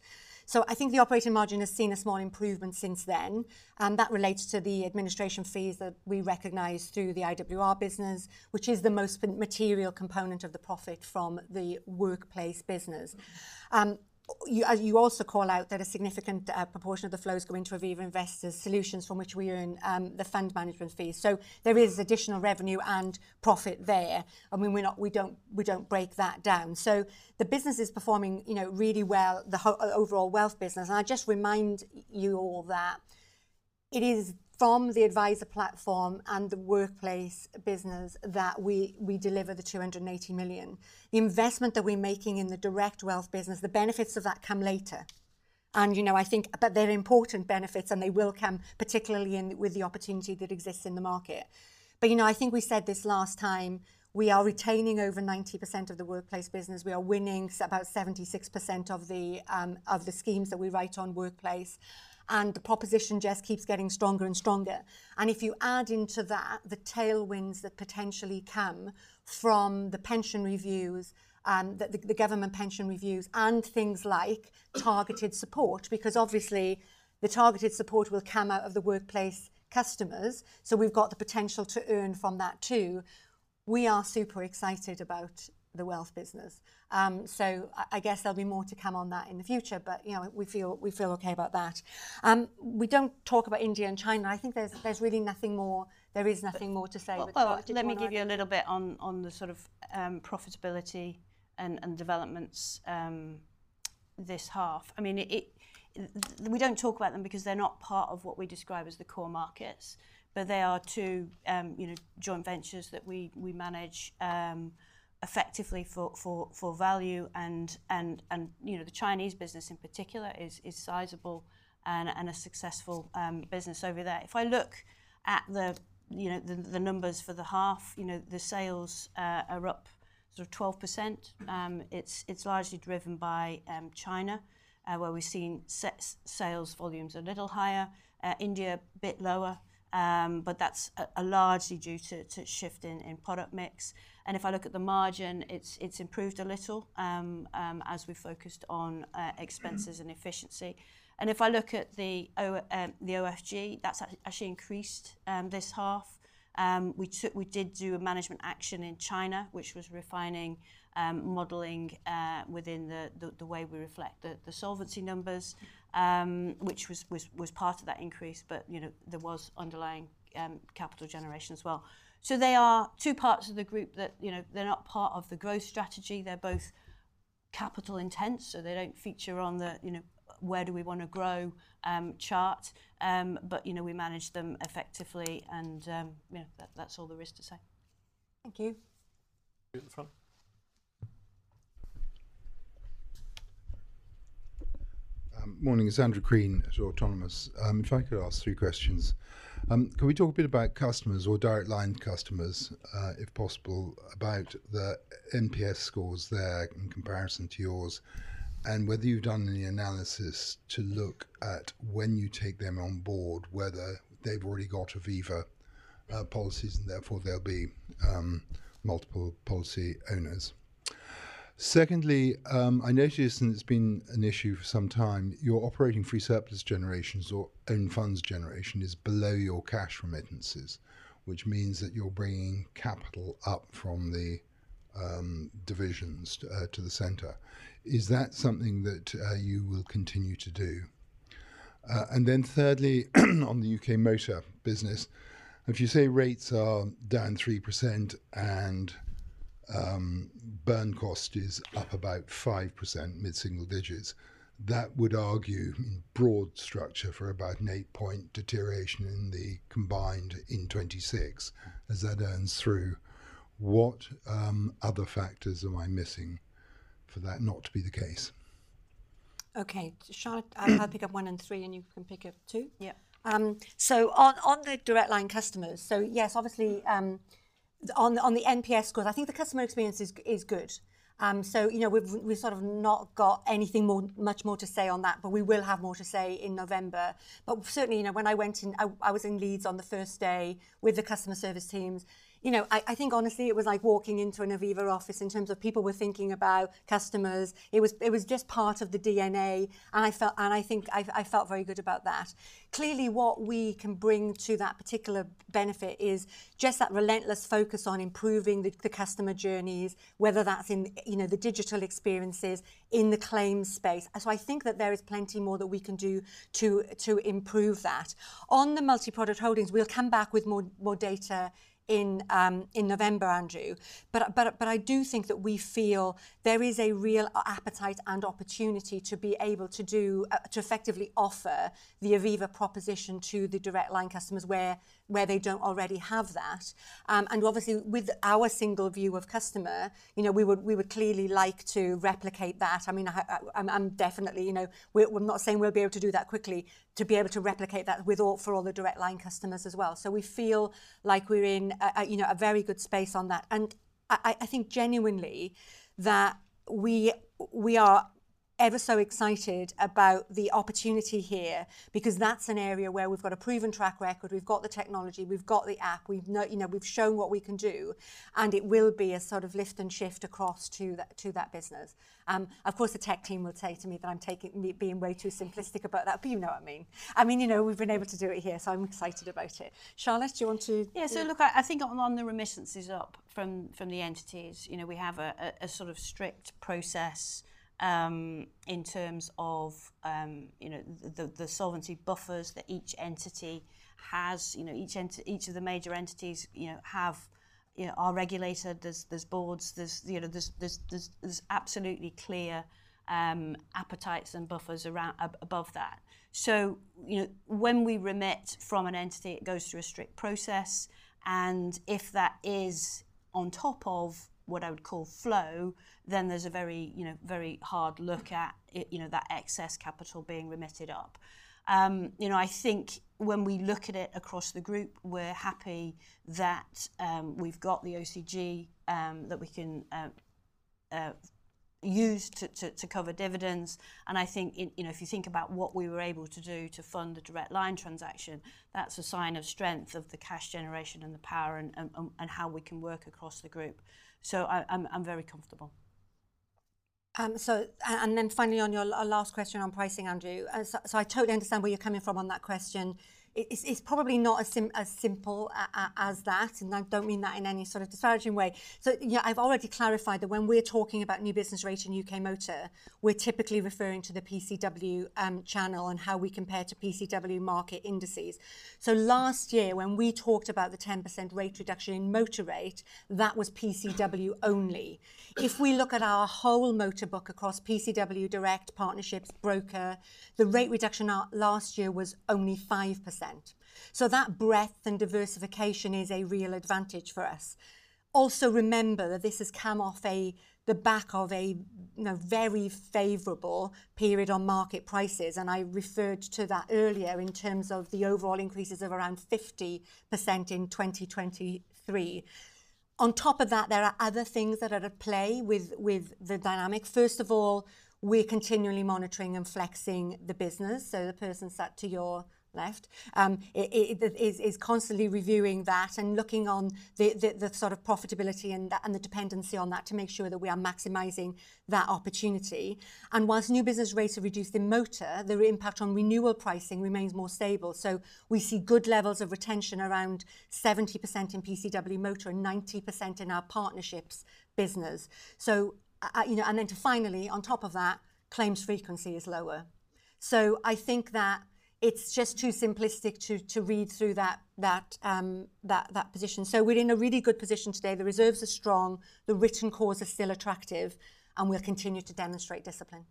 I think the operating margin has seen a small improvement since then. That relates to the administration fees that we recognize through the IWR business, which is the most material component of the profit from the workplace business. You also call out that a significant proportion of the flows go into Aviva Investors Solutions, from which we earn the fund management fees. There is additional revenue and profit there. I mean, we don't break that down. The business is performing really well, the overall wealth business. I just remind you all that it is from the adviser platform and the workplace business that we deliver the 280 million. The investment that we're making in the direct wealth business, the benefits of that come later. I think that they're important benefits, and they will come, particularly with the opportunity that exists in the market. I think we said this last time, we are retaining over 90% of the workplace business. We are winning about 76% of the schemes that we write on workplace. The proposition just keeps getting stronger and stronger. If you add into that the tailwinds that potentially come from the pension reviews, the government pension reviews, and things like targeted support, because obviously the targeted support will come out of the workplace customers, we've got the potential to earn from that too. We are super excited about the wealth business. I guess there'll be more to come on that in the future, but we feel okay about that. We don't talk about India and China. I think there's really nothing more. There is nothing more to say. Let me give you a little bit on the sort of profitability and developments this half. We don't talk about them because they're not part of what we describe as the COR markets, but they are two joint ventures that we manage effectively for value. The Chinese business in particular is sizable and a successful business over there. If I look at the numbers for the half, the sales are up sort of 12%. It's largely driven by China, where we've seen sales volumes a little higher, India a bit lower, but that's largely due to a shift in product mix. If I look at the margin, it's improved a little as we've focused on expenses and efficiency. If I look at the OFG, that's actually increased this half. We did do a management action in China, which was refining modeling within the way we reflect the solvency numbers, which was part of that increase, but there was underlying capital generation as well. They are two parts of the group that, they're not part of the growth strategy. They're both capital intense, so they don't feature on the, you know, where do we want to grow chart. We manage them effectively, and that's all there is to say. Thank you. In the front. Morning. It's Andrew Crean at Autonomous. If I could ask three questions, can we talk a bit about customers or Direct Line customers, if possible, about the Net Promoter SCOR there in comparison to yours? Whether you've done any analysis to look at when you take them on board, whether they've already got Aviva policies, and therefore there'll be multi-policy customers. Secondly, I noticed and it's been an issue for some time, your operating free surplus generation or own funds generation is below your cash remittances, which means that you're bringing capital up from the divisions to the center. Is that something that you will continue to do? Thirdly, on the U.K. motor business, if you say rates are down 3% and burn cost is up about 5% mid-single digits, that would argue in broad structure for about an eight-point deterioration in the COR in 2026, as that earns through. What other factors am I missing for that not to be the case? Okay, Charlotte, I'll pick up one and three, and you can pick up two. On the Direct Line customers, yes, obviously on the Net Promoter SCOR, I think the customer experience is good. We've sort of not got anything much more to say on that, but we will have more to say in November. Certainly, when I went in, I was in Leeds on the first day with the customer service teams. Honestly, it was like walking into an Aviva office in terms of people were thinking about customers. It was just part of the DNA, and I felt, and I think I felt very good about that. Clearly, what we can bring to that particular benefit is just that relentless focus on improving the customer journeys, whether that's in the digital experiences or in the claims space. I think that there is plenty more that we can do to improve that. On the multi-policy customers, we'll come back with more data in November, Andrew. I do think that we feel there is a real appetite and opportunity to be able to effectively offer the Aviva proposition to the Direct Line customers where they don't already have that. Obviously, with our single view of customer, we would clearly like to replicate that. I'm definitely not saying we'll be able to do that quickly, to be able to replicate that for all the Direct Line customers as well. We feel like we're in a very good space on that. I think genuinely that we are ever so excited about the opportunity here because that's an area where we've got a proven track record. We've got the technology. We've got the app. We've shown what we can do. It will be a sort of lift and shift across to that business. Of course, the tech team will say to me that I'm being way too simplistic about that, but you know what I mean. We've been able to do it here, so I'm excited about it. Charlotte, do you want to? Yeah. I think on the remittances up from the entities, we have a sort of strict process in terms of the solvency buffers that each entity has. Each of the major entities have our regulator. There's boards. There's absolutely clear appetites and buffers above that. When we remit from an entity, it goes through a strict process. If that is on top of what I would call flow, then there's a very hard look at that excess capital being remitted up. I think when we look at it across the group, we're happy that we've got the OCG that we can use to cover dividends. If you think about what we were able to do to fund the Direct Line transaction, that's a sign of strength of the cash generation and the power and how we can work across the group. I'm very comfortable. On your last question on pricing, Andrew, I totally understand where you're coming from on that question. It's probably not as simple as that. I don't mean that in any sort of disparaging way. I've already clarified that when we're talking about new business rates in U.K. motor, we're typically referring to the PCW channel and how we compare to PCW market indices. Last year, when we talked about the 10% rate reduction in motor rate, that was PCW only. If we look at our whole motor book across PCW, direct partnerships, broker, the rate reduction last year was only 5%. That breadth and diversification is a real advantage for us. Also, remember that this has come off the back of a very favorable period on market prices. I referred to that earlier in terms of the overall increases of around 50% in 2023. On top of that, there are other things that are at play with the dynamics. First of all, we're continually monitoring and flexing the business. The person sat to your left is constantly reviewing that and looking on the sort of profitability and the dependency on that to make sure that we are maximizing that opportunity. Whilst new business rates are reduced in motor, the impact on renewal pricing remains more stable. We see good levels of retention around 70% in PCW motor and 90% in our partnerships business. Finally, on top of that, claims frequency is lower. I think that it's just too simplistic to read through that position. We're in a really good position today. The reserves are strong. The written cause is still attractive. We'll continue to demonstrate discipline.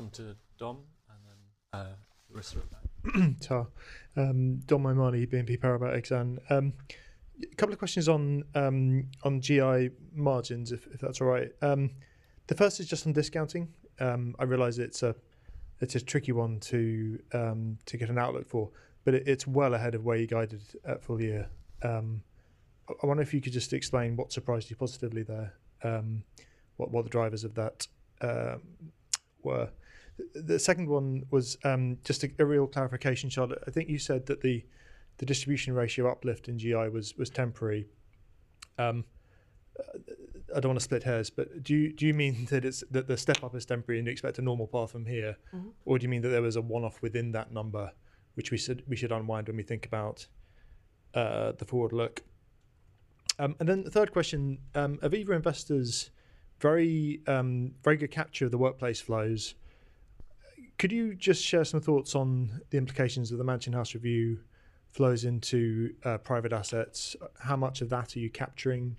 Come to Dom and then [Ristra]. Dom, my man at BNP Paribas Exane. A couple of questions on GI margins, if that's all right. The first is just on discounting. I realize it's a tricky one to get an outlook for, but it's well ahead of where you guided at full year. I wonder if you could just explain what surprised you positively there, what the drivers of that were. The second one was just a real clarification, Charlotte. I think you said that the distribution ratio uplift in GI was temporary. I don't want to split hairs, but do you mean that the step up is temporary and you expect a normal path from here? Or do you mean that there was a one-off within that number, which we should unwind when we think about the forward look? The third question, Aviva Investors, very good capture of the workplace flows. Could you just share some thoughts on the implications of the Mansion House reforms flows into private assets? How much of that are you capturing?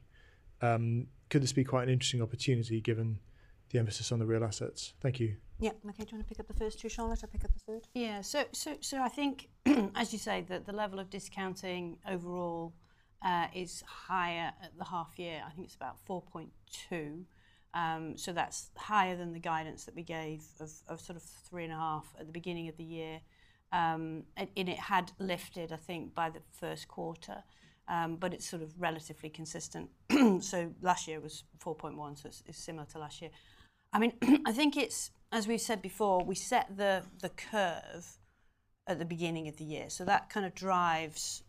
Could this be quite an interesting opportunity given the emphasis on the real assets? Thank you. Yeah. Okay. Do you want to pick up the first two, Charlotte, or pick up the third? Yeah. I think, as you say, that the level of discounting overall is higher at the half year. I think it's about 4.2%. That's higher than the guidance that we gave of sort of 3.5% at the beginning of the year. It had lifted, I think, by the first quarter, but it's relatively consistent. Last year was 4.1%, so it's similar to last year. I think, as we said before, we set the curve at the beginning of the year. That kind of drives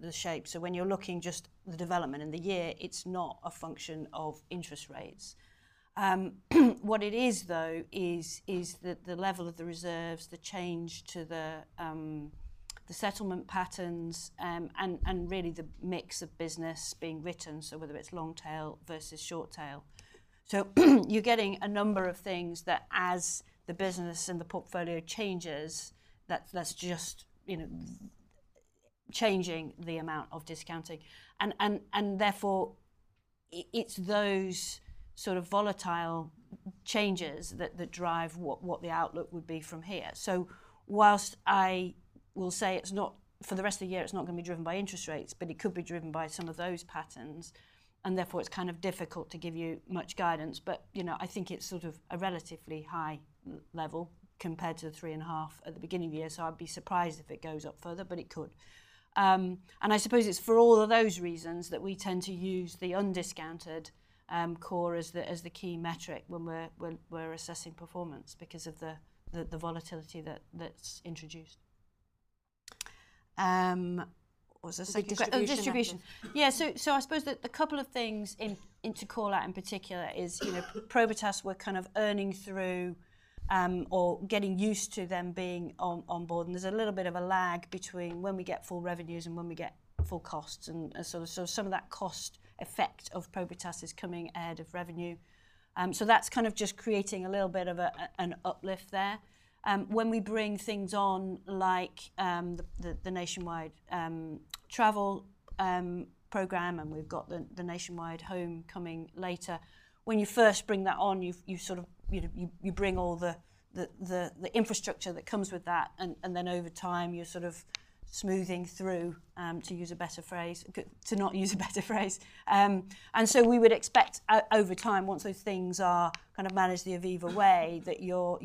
the shape. When you're looking just at the development in the year, it's not a function of interest rates. What it is, though, is that the level of the reserves, the change to the settlement patterns, and really the mix of business being written, whether it's long tail versus short tail. You're getting a number of things that, as the business and the portfolio changes, that's just changing the amount of discounting. Therefore, it's those sort of volatile changes that drive what the outlook would be from here. Whilst I will say for the rest of the year, it's not going to be driven by interest rates, it could be driven by some of those patterns. It's kind of difficult to give you much guidance. I think it's a relatively high level compared to the 3.5% at the beginning of the year. I'd be surprised if it goes up further, but it could. I suppose it's for all of those reasons that we tend to use the undiscounted COR as the key metric when we're assessing performance because of the volatility that's introduced. I suppose that a couple of things to call out in particular is, you know, Probitas, we're kind of earning through or getting used to them being on board. There's a little bit of a lag between when we get full revenues and when we get full costs. Some of that cost effect of Probitas is coming ahead of revenue. That's kind of just creating a little bit of an uplift there. When we bring things on like the Nationwide travel program, and we've got the Nationwide home coming later, when you first bring that on, you bring all the infrastructure that comes with that. Over time, you're smoothing through, to use a better phrase, to not use a better phrase. We would expect over time, once those things are kind of managed the Aviva way, that you're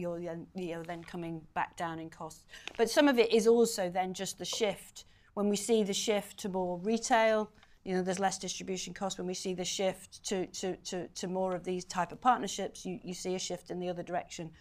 then coming back down in costs. Some of it is also then just the shift. When we see the shift to more retail, there's less distribution costs. When we see the shift to more of these types of partnerships, you see a shift in the other direction.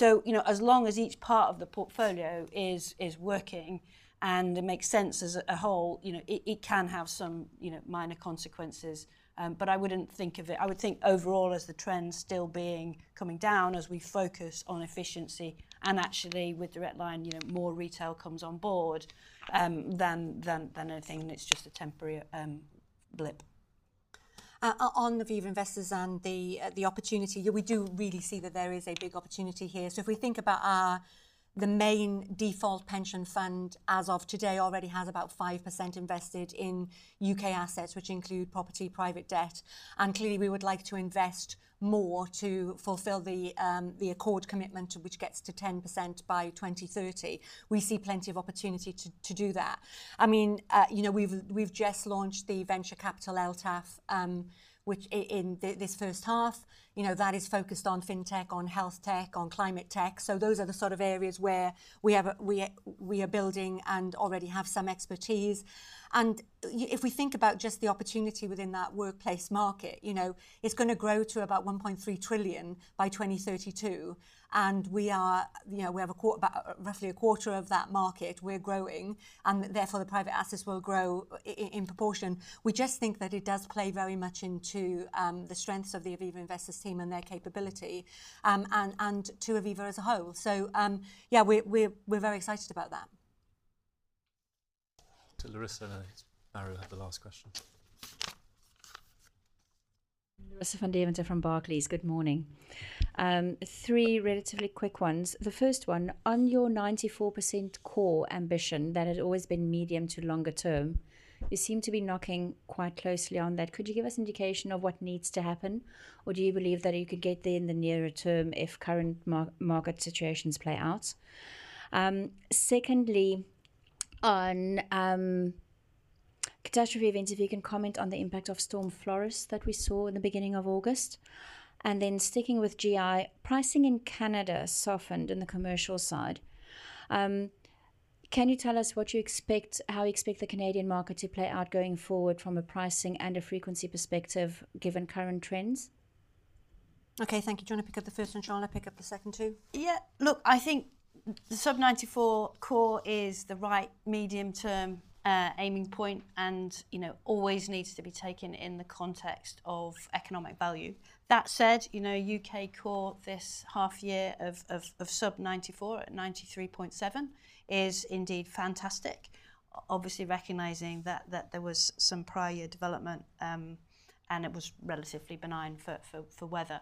As long as each part of the portfolio is working and makes sense as a whole, it can have some minor consequences. I would think overall, as the trend still being coming down, as we focus on efficiency and actually with Direct Line, more retail comes on board than anything, and it's just a temporary blip. On Aviva Investors and the opportunity, we do really see that there is a big opportunity here. If we think about the main default pension fund as of today, it already has about 5% invested in U.K. assets, which include property, private debt. Clearly, we would like to invest more to fulfill the accord commitment, which gets to 10% by 2030. We see plenty of opportunity to do that. We've just launched the venture capital LTAF, which in this first half is focused on fintech, on health tech, on climate tech. Those are the sort of areas where we are building and already have some expertise. If we think about just the opportunity within that workplace market, it's going to grow to about 1.3 trillion by 2032. We have roughly a quarter of that market. We're growing, and therefore, the private assets will grow in proportion. We just think that it does play very much into the strengths of the Aviva Investors team and their capability and to Aviva as a whole. We're very excited about that. To Larissa and Andrew had the last question. Larissa van Deventer from Barclays. Good morning. Three relatively quick ones. The first one, on your 94% COR ambition that had always been medium to longer term, you seem to be knocking quite closely on that. Could you give us an indication of what needs to happen, or do you believe that you could get there in the nearer term if current market situations play out? Secondly, on catastrophe events, if you can comment on the impact of Storm Floris that we saw in the beginning of August. Then sticking with GI, pricing in Canada softened in the commercial side. Can you tell us what you expect, how you expect the Canadian market to play out going forward from a pricing and a frequency perspective, given current trends? Okay, thank you. Do you want to pick up the first one, Charlotte? Pick up the second, too. Yeah, I think the sub-94 COR is the right medium-term aiming point and always needs to be taken in the context of economic value. That said, U.K. COR this half year of sub-94 at 93.7% is indeed fantastic, obviously recognizing that there was some prior development and it was relatively benign for weather.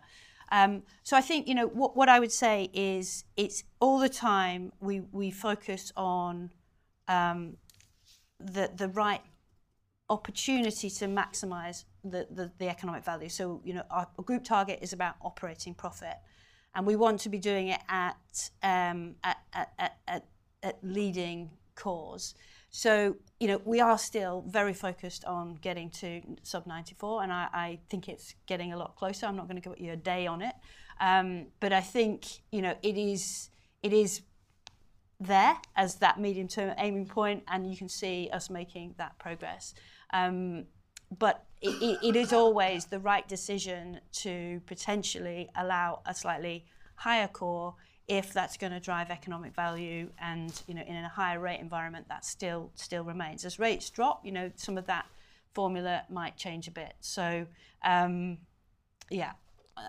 I think what I would say is it's all the time we focus on the right opportunity to maximize the economic value. Our group target is about operating profit, and we want to be doing it at leading CORs. We are still very focused on getting to sub-94, and I think it's getting a lot closer. I'm not going to give you a day on it. I think it is there as that medium-term aiming point, and you can see us making that progress. It is always the right decision to potentially allow a slightly higher COR if that's going to drive economic value. In a higher rate environment, that still remains. As rates drop, some of that formula might change a bit.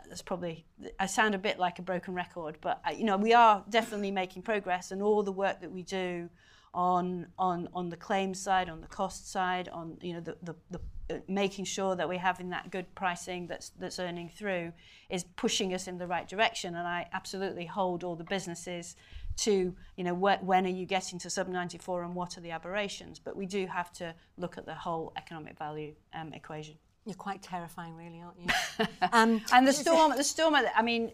That's probably I sound a bit like a broken record, but we are definitely making progress. All the work that we do on the claims side, on the cost side, on making sure that we're having that good pricing that's earning through is pushing us in the right direction. I absolutely hold all the businesses to when are you getting to sub-94 and what are the aberrations? We do have to look at the whole economic value equation. You're quite terrifying, really, aren't you? The storm, I mean,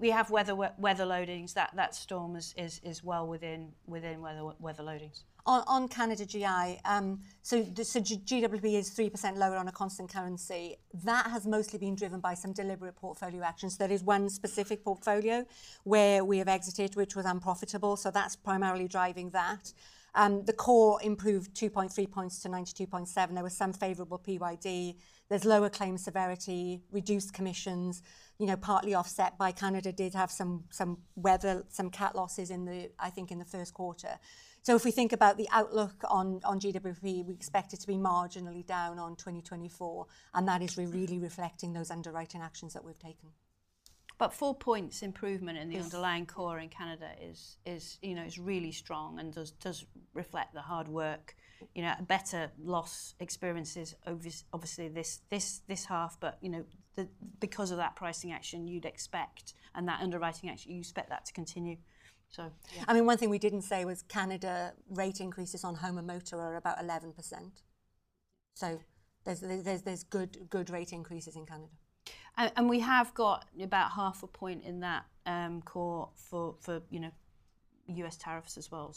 we have weather loadings. That storm is well within weather loadings. On Canada general insurance, so GWP is 3% lower on a constant currency. That has mostly been driven by some deliberate portfolio actions. There is one specific portfolio where we have exited, which was unprofitable. That's primarily driving that. The COR improved 2.3 points to 92.7. There was some favorable PYD. There's lower claim severity, reduced commissions, partly offset by Canada did have some weather, some cat losses, I think, in the first quarter. If we think about the outlook on GWP, we expect it to be marginally down on 2024. That is really reflecting those underwriting actions that we've taken. Four points improvement in the underlying COR in Canada is really strong and does reflect the hard work. Better loss experiences, obviously, this half. Because of that pricing action, you'd expect, and that underwriting action, you expect that to continue. One thing we didn't say was Canada rate increases on home and motor are about 11%. There's good rate increases in Canada. We have got about half a point in that COR for US tariffs as well.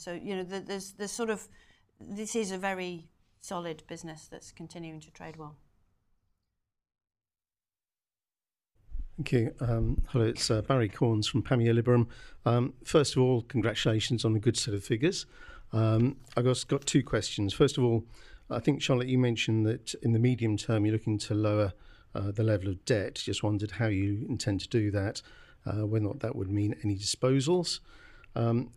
This is a very solid business that's continuing to trade well. Okay, Charlotte.Barrie Congratulations on the good set of figures. I've just got two questions. First of all, I think, Charlotte, you mentioned that in the medium term you're looking to lower the level of debt. I just wondered how you intend to do that, whether or not that would mean any disposals. I also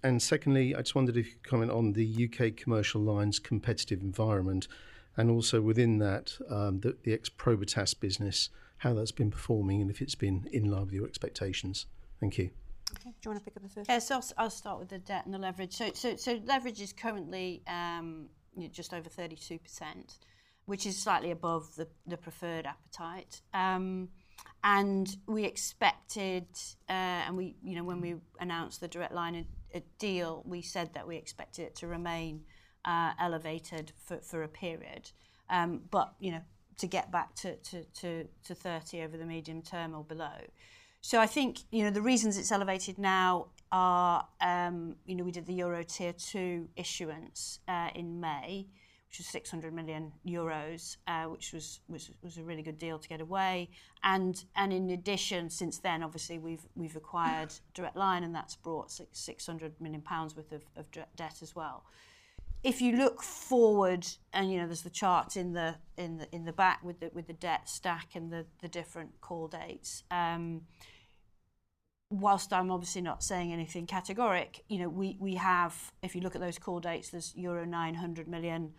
wondered if you could comment on the U.K. commercial lines' competitive environment and, within that, the ex-Probitas business, how that's been performing and if it's been in line with your expectations. Thank you. Okay, do you want to pick up the first one? Yeah, I'll start with the debt and the leverage. Leverage is currently just over 32%, which is slightly above the preferred appetite. We expected it, and when we announced the Direct Line deal, we said that we expected it to remain elevated for a period, to get back to 30% over the medium term or below. The reasons it's elevated now are, we did the Euro Tier 2 issuance in May, which was 600 million euros, which was a really good deal to get away. In addition, since then, we've acquired Direct Line and that's brought 600 million pounds worth of debt as well. If you look forward, there's the chart in the back with the debt stack and the different call dates. I'm obviously not saying anything categoric, but if you look at those call dates, there's euro 900 million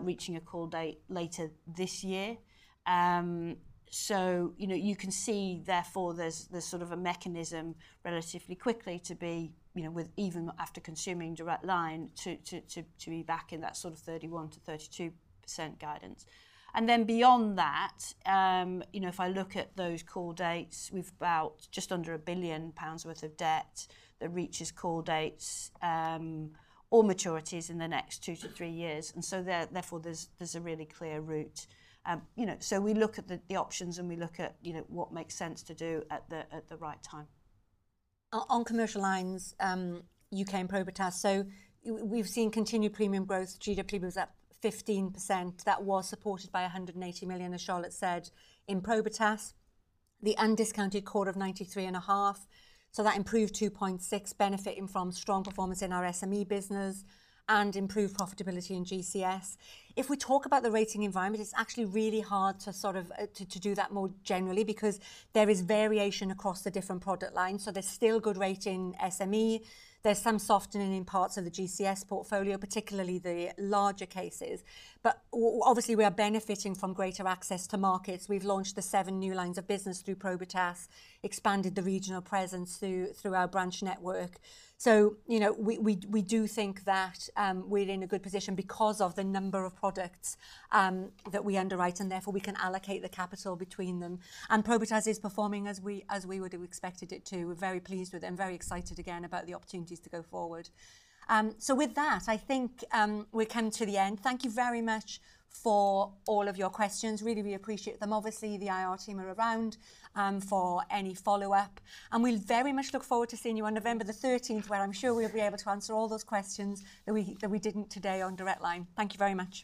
reaching a call date later this year. You can see, therefore, there's sort of a mechanism relatively quickly to be, even after consuming Direct Line, back in that sort of 31%-32% guidance. Beyond that, if I look at those call dates, we've just under 1 billion pounds worth of debt that reaches call dates or maturities in the next two to three years. Therefore, there's a really clear route. We look at the options and we look at what makes sense to do at the right time. On commercial lines, U.K. and Probitas, we've seen continued premium growth. GWP was up 15%. That was supported by 180 million, as Charlotte said, in Probitas. The undiscounted COR of 93.5. That improved 2.6, benefiting from strong performance in our SME business and improved profitability in GCS. If we talk about the rating environment, it's actually really hard to sort of do that more generally because there is variation across the different product lines. There's still good rating SME. There's some softening in parts of the GCS portfolio, particularly the larger cases. Obviously, we are benefiting from greater access to markets. We've launched seven new lines of business through Probitas, expanded the regional presence through our branch network. We do think that we're in a good position because of the number of products that we underwrite, and therefore we can allocate the capital between them. Probitas is performing as we would have expected it to. We're very pleased with it and very excited again about the opportunities to go forward. I think we're coming to the end. Thank you very much for all of your questions. We really appreciate them. Obviously, the IR team are around for any follow-up. We very much look forward to seeing you on November 13, where I'm sure we'll be able to answer all those questions that we didn't today on Direct Line. Thank you very much.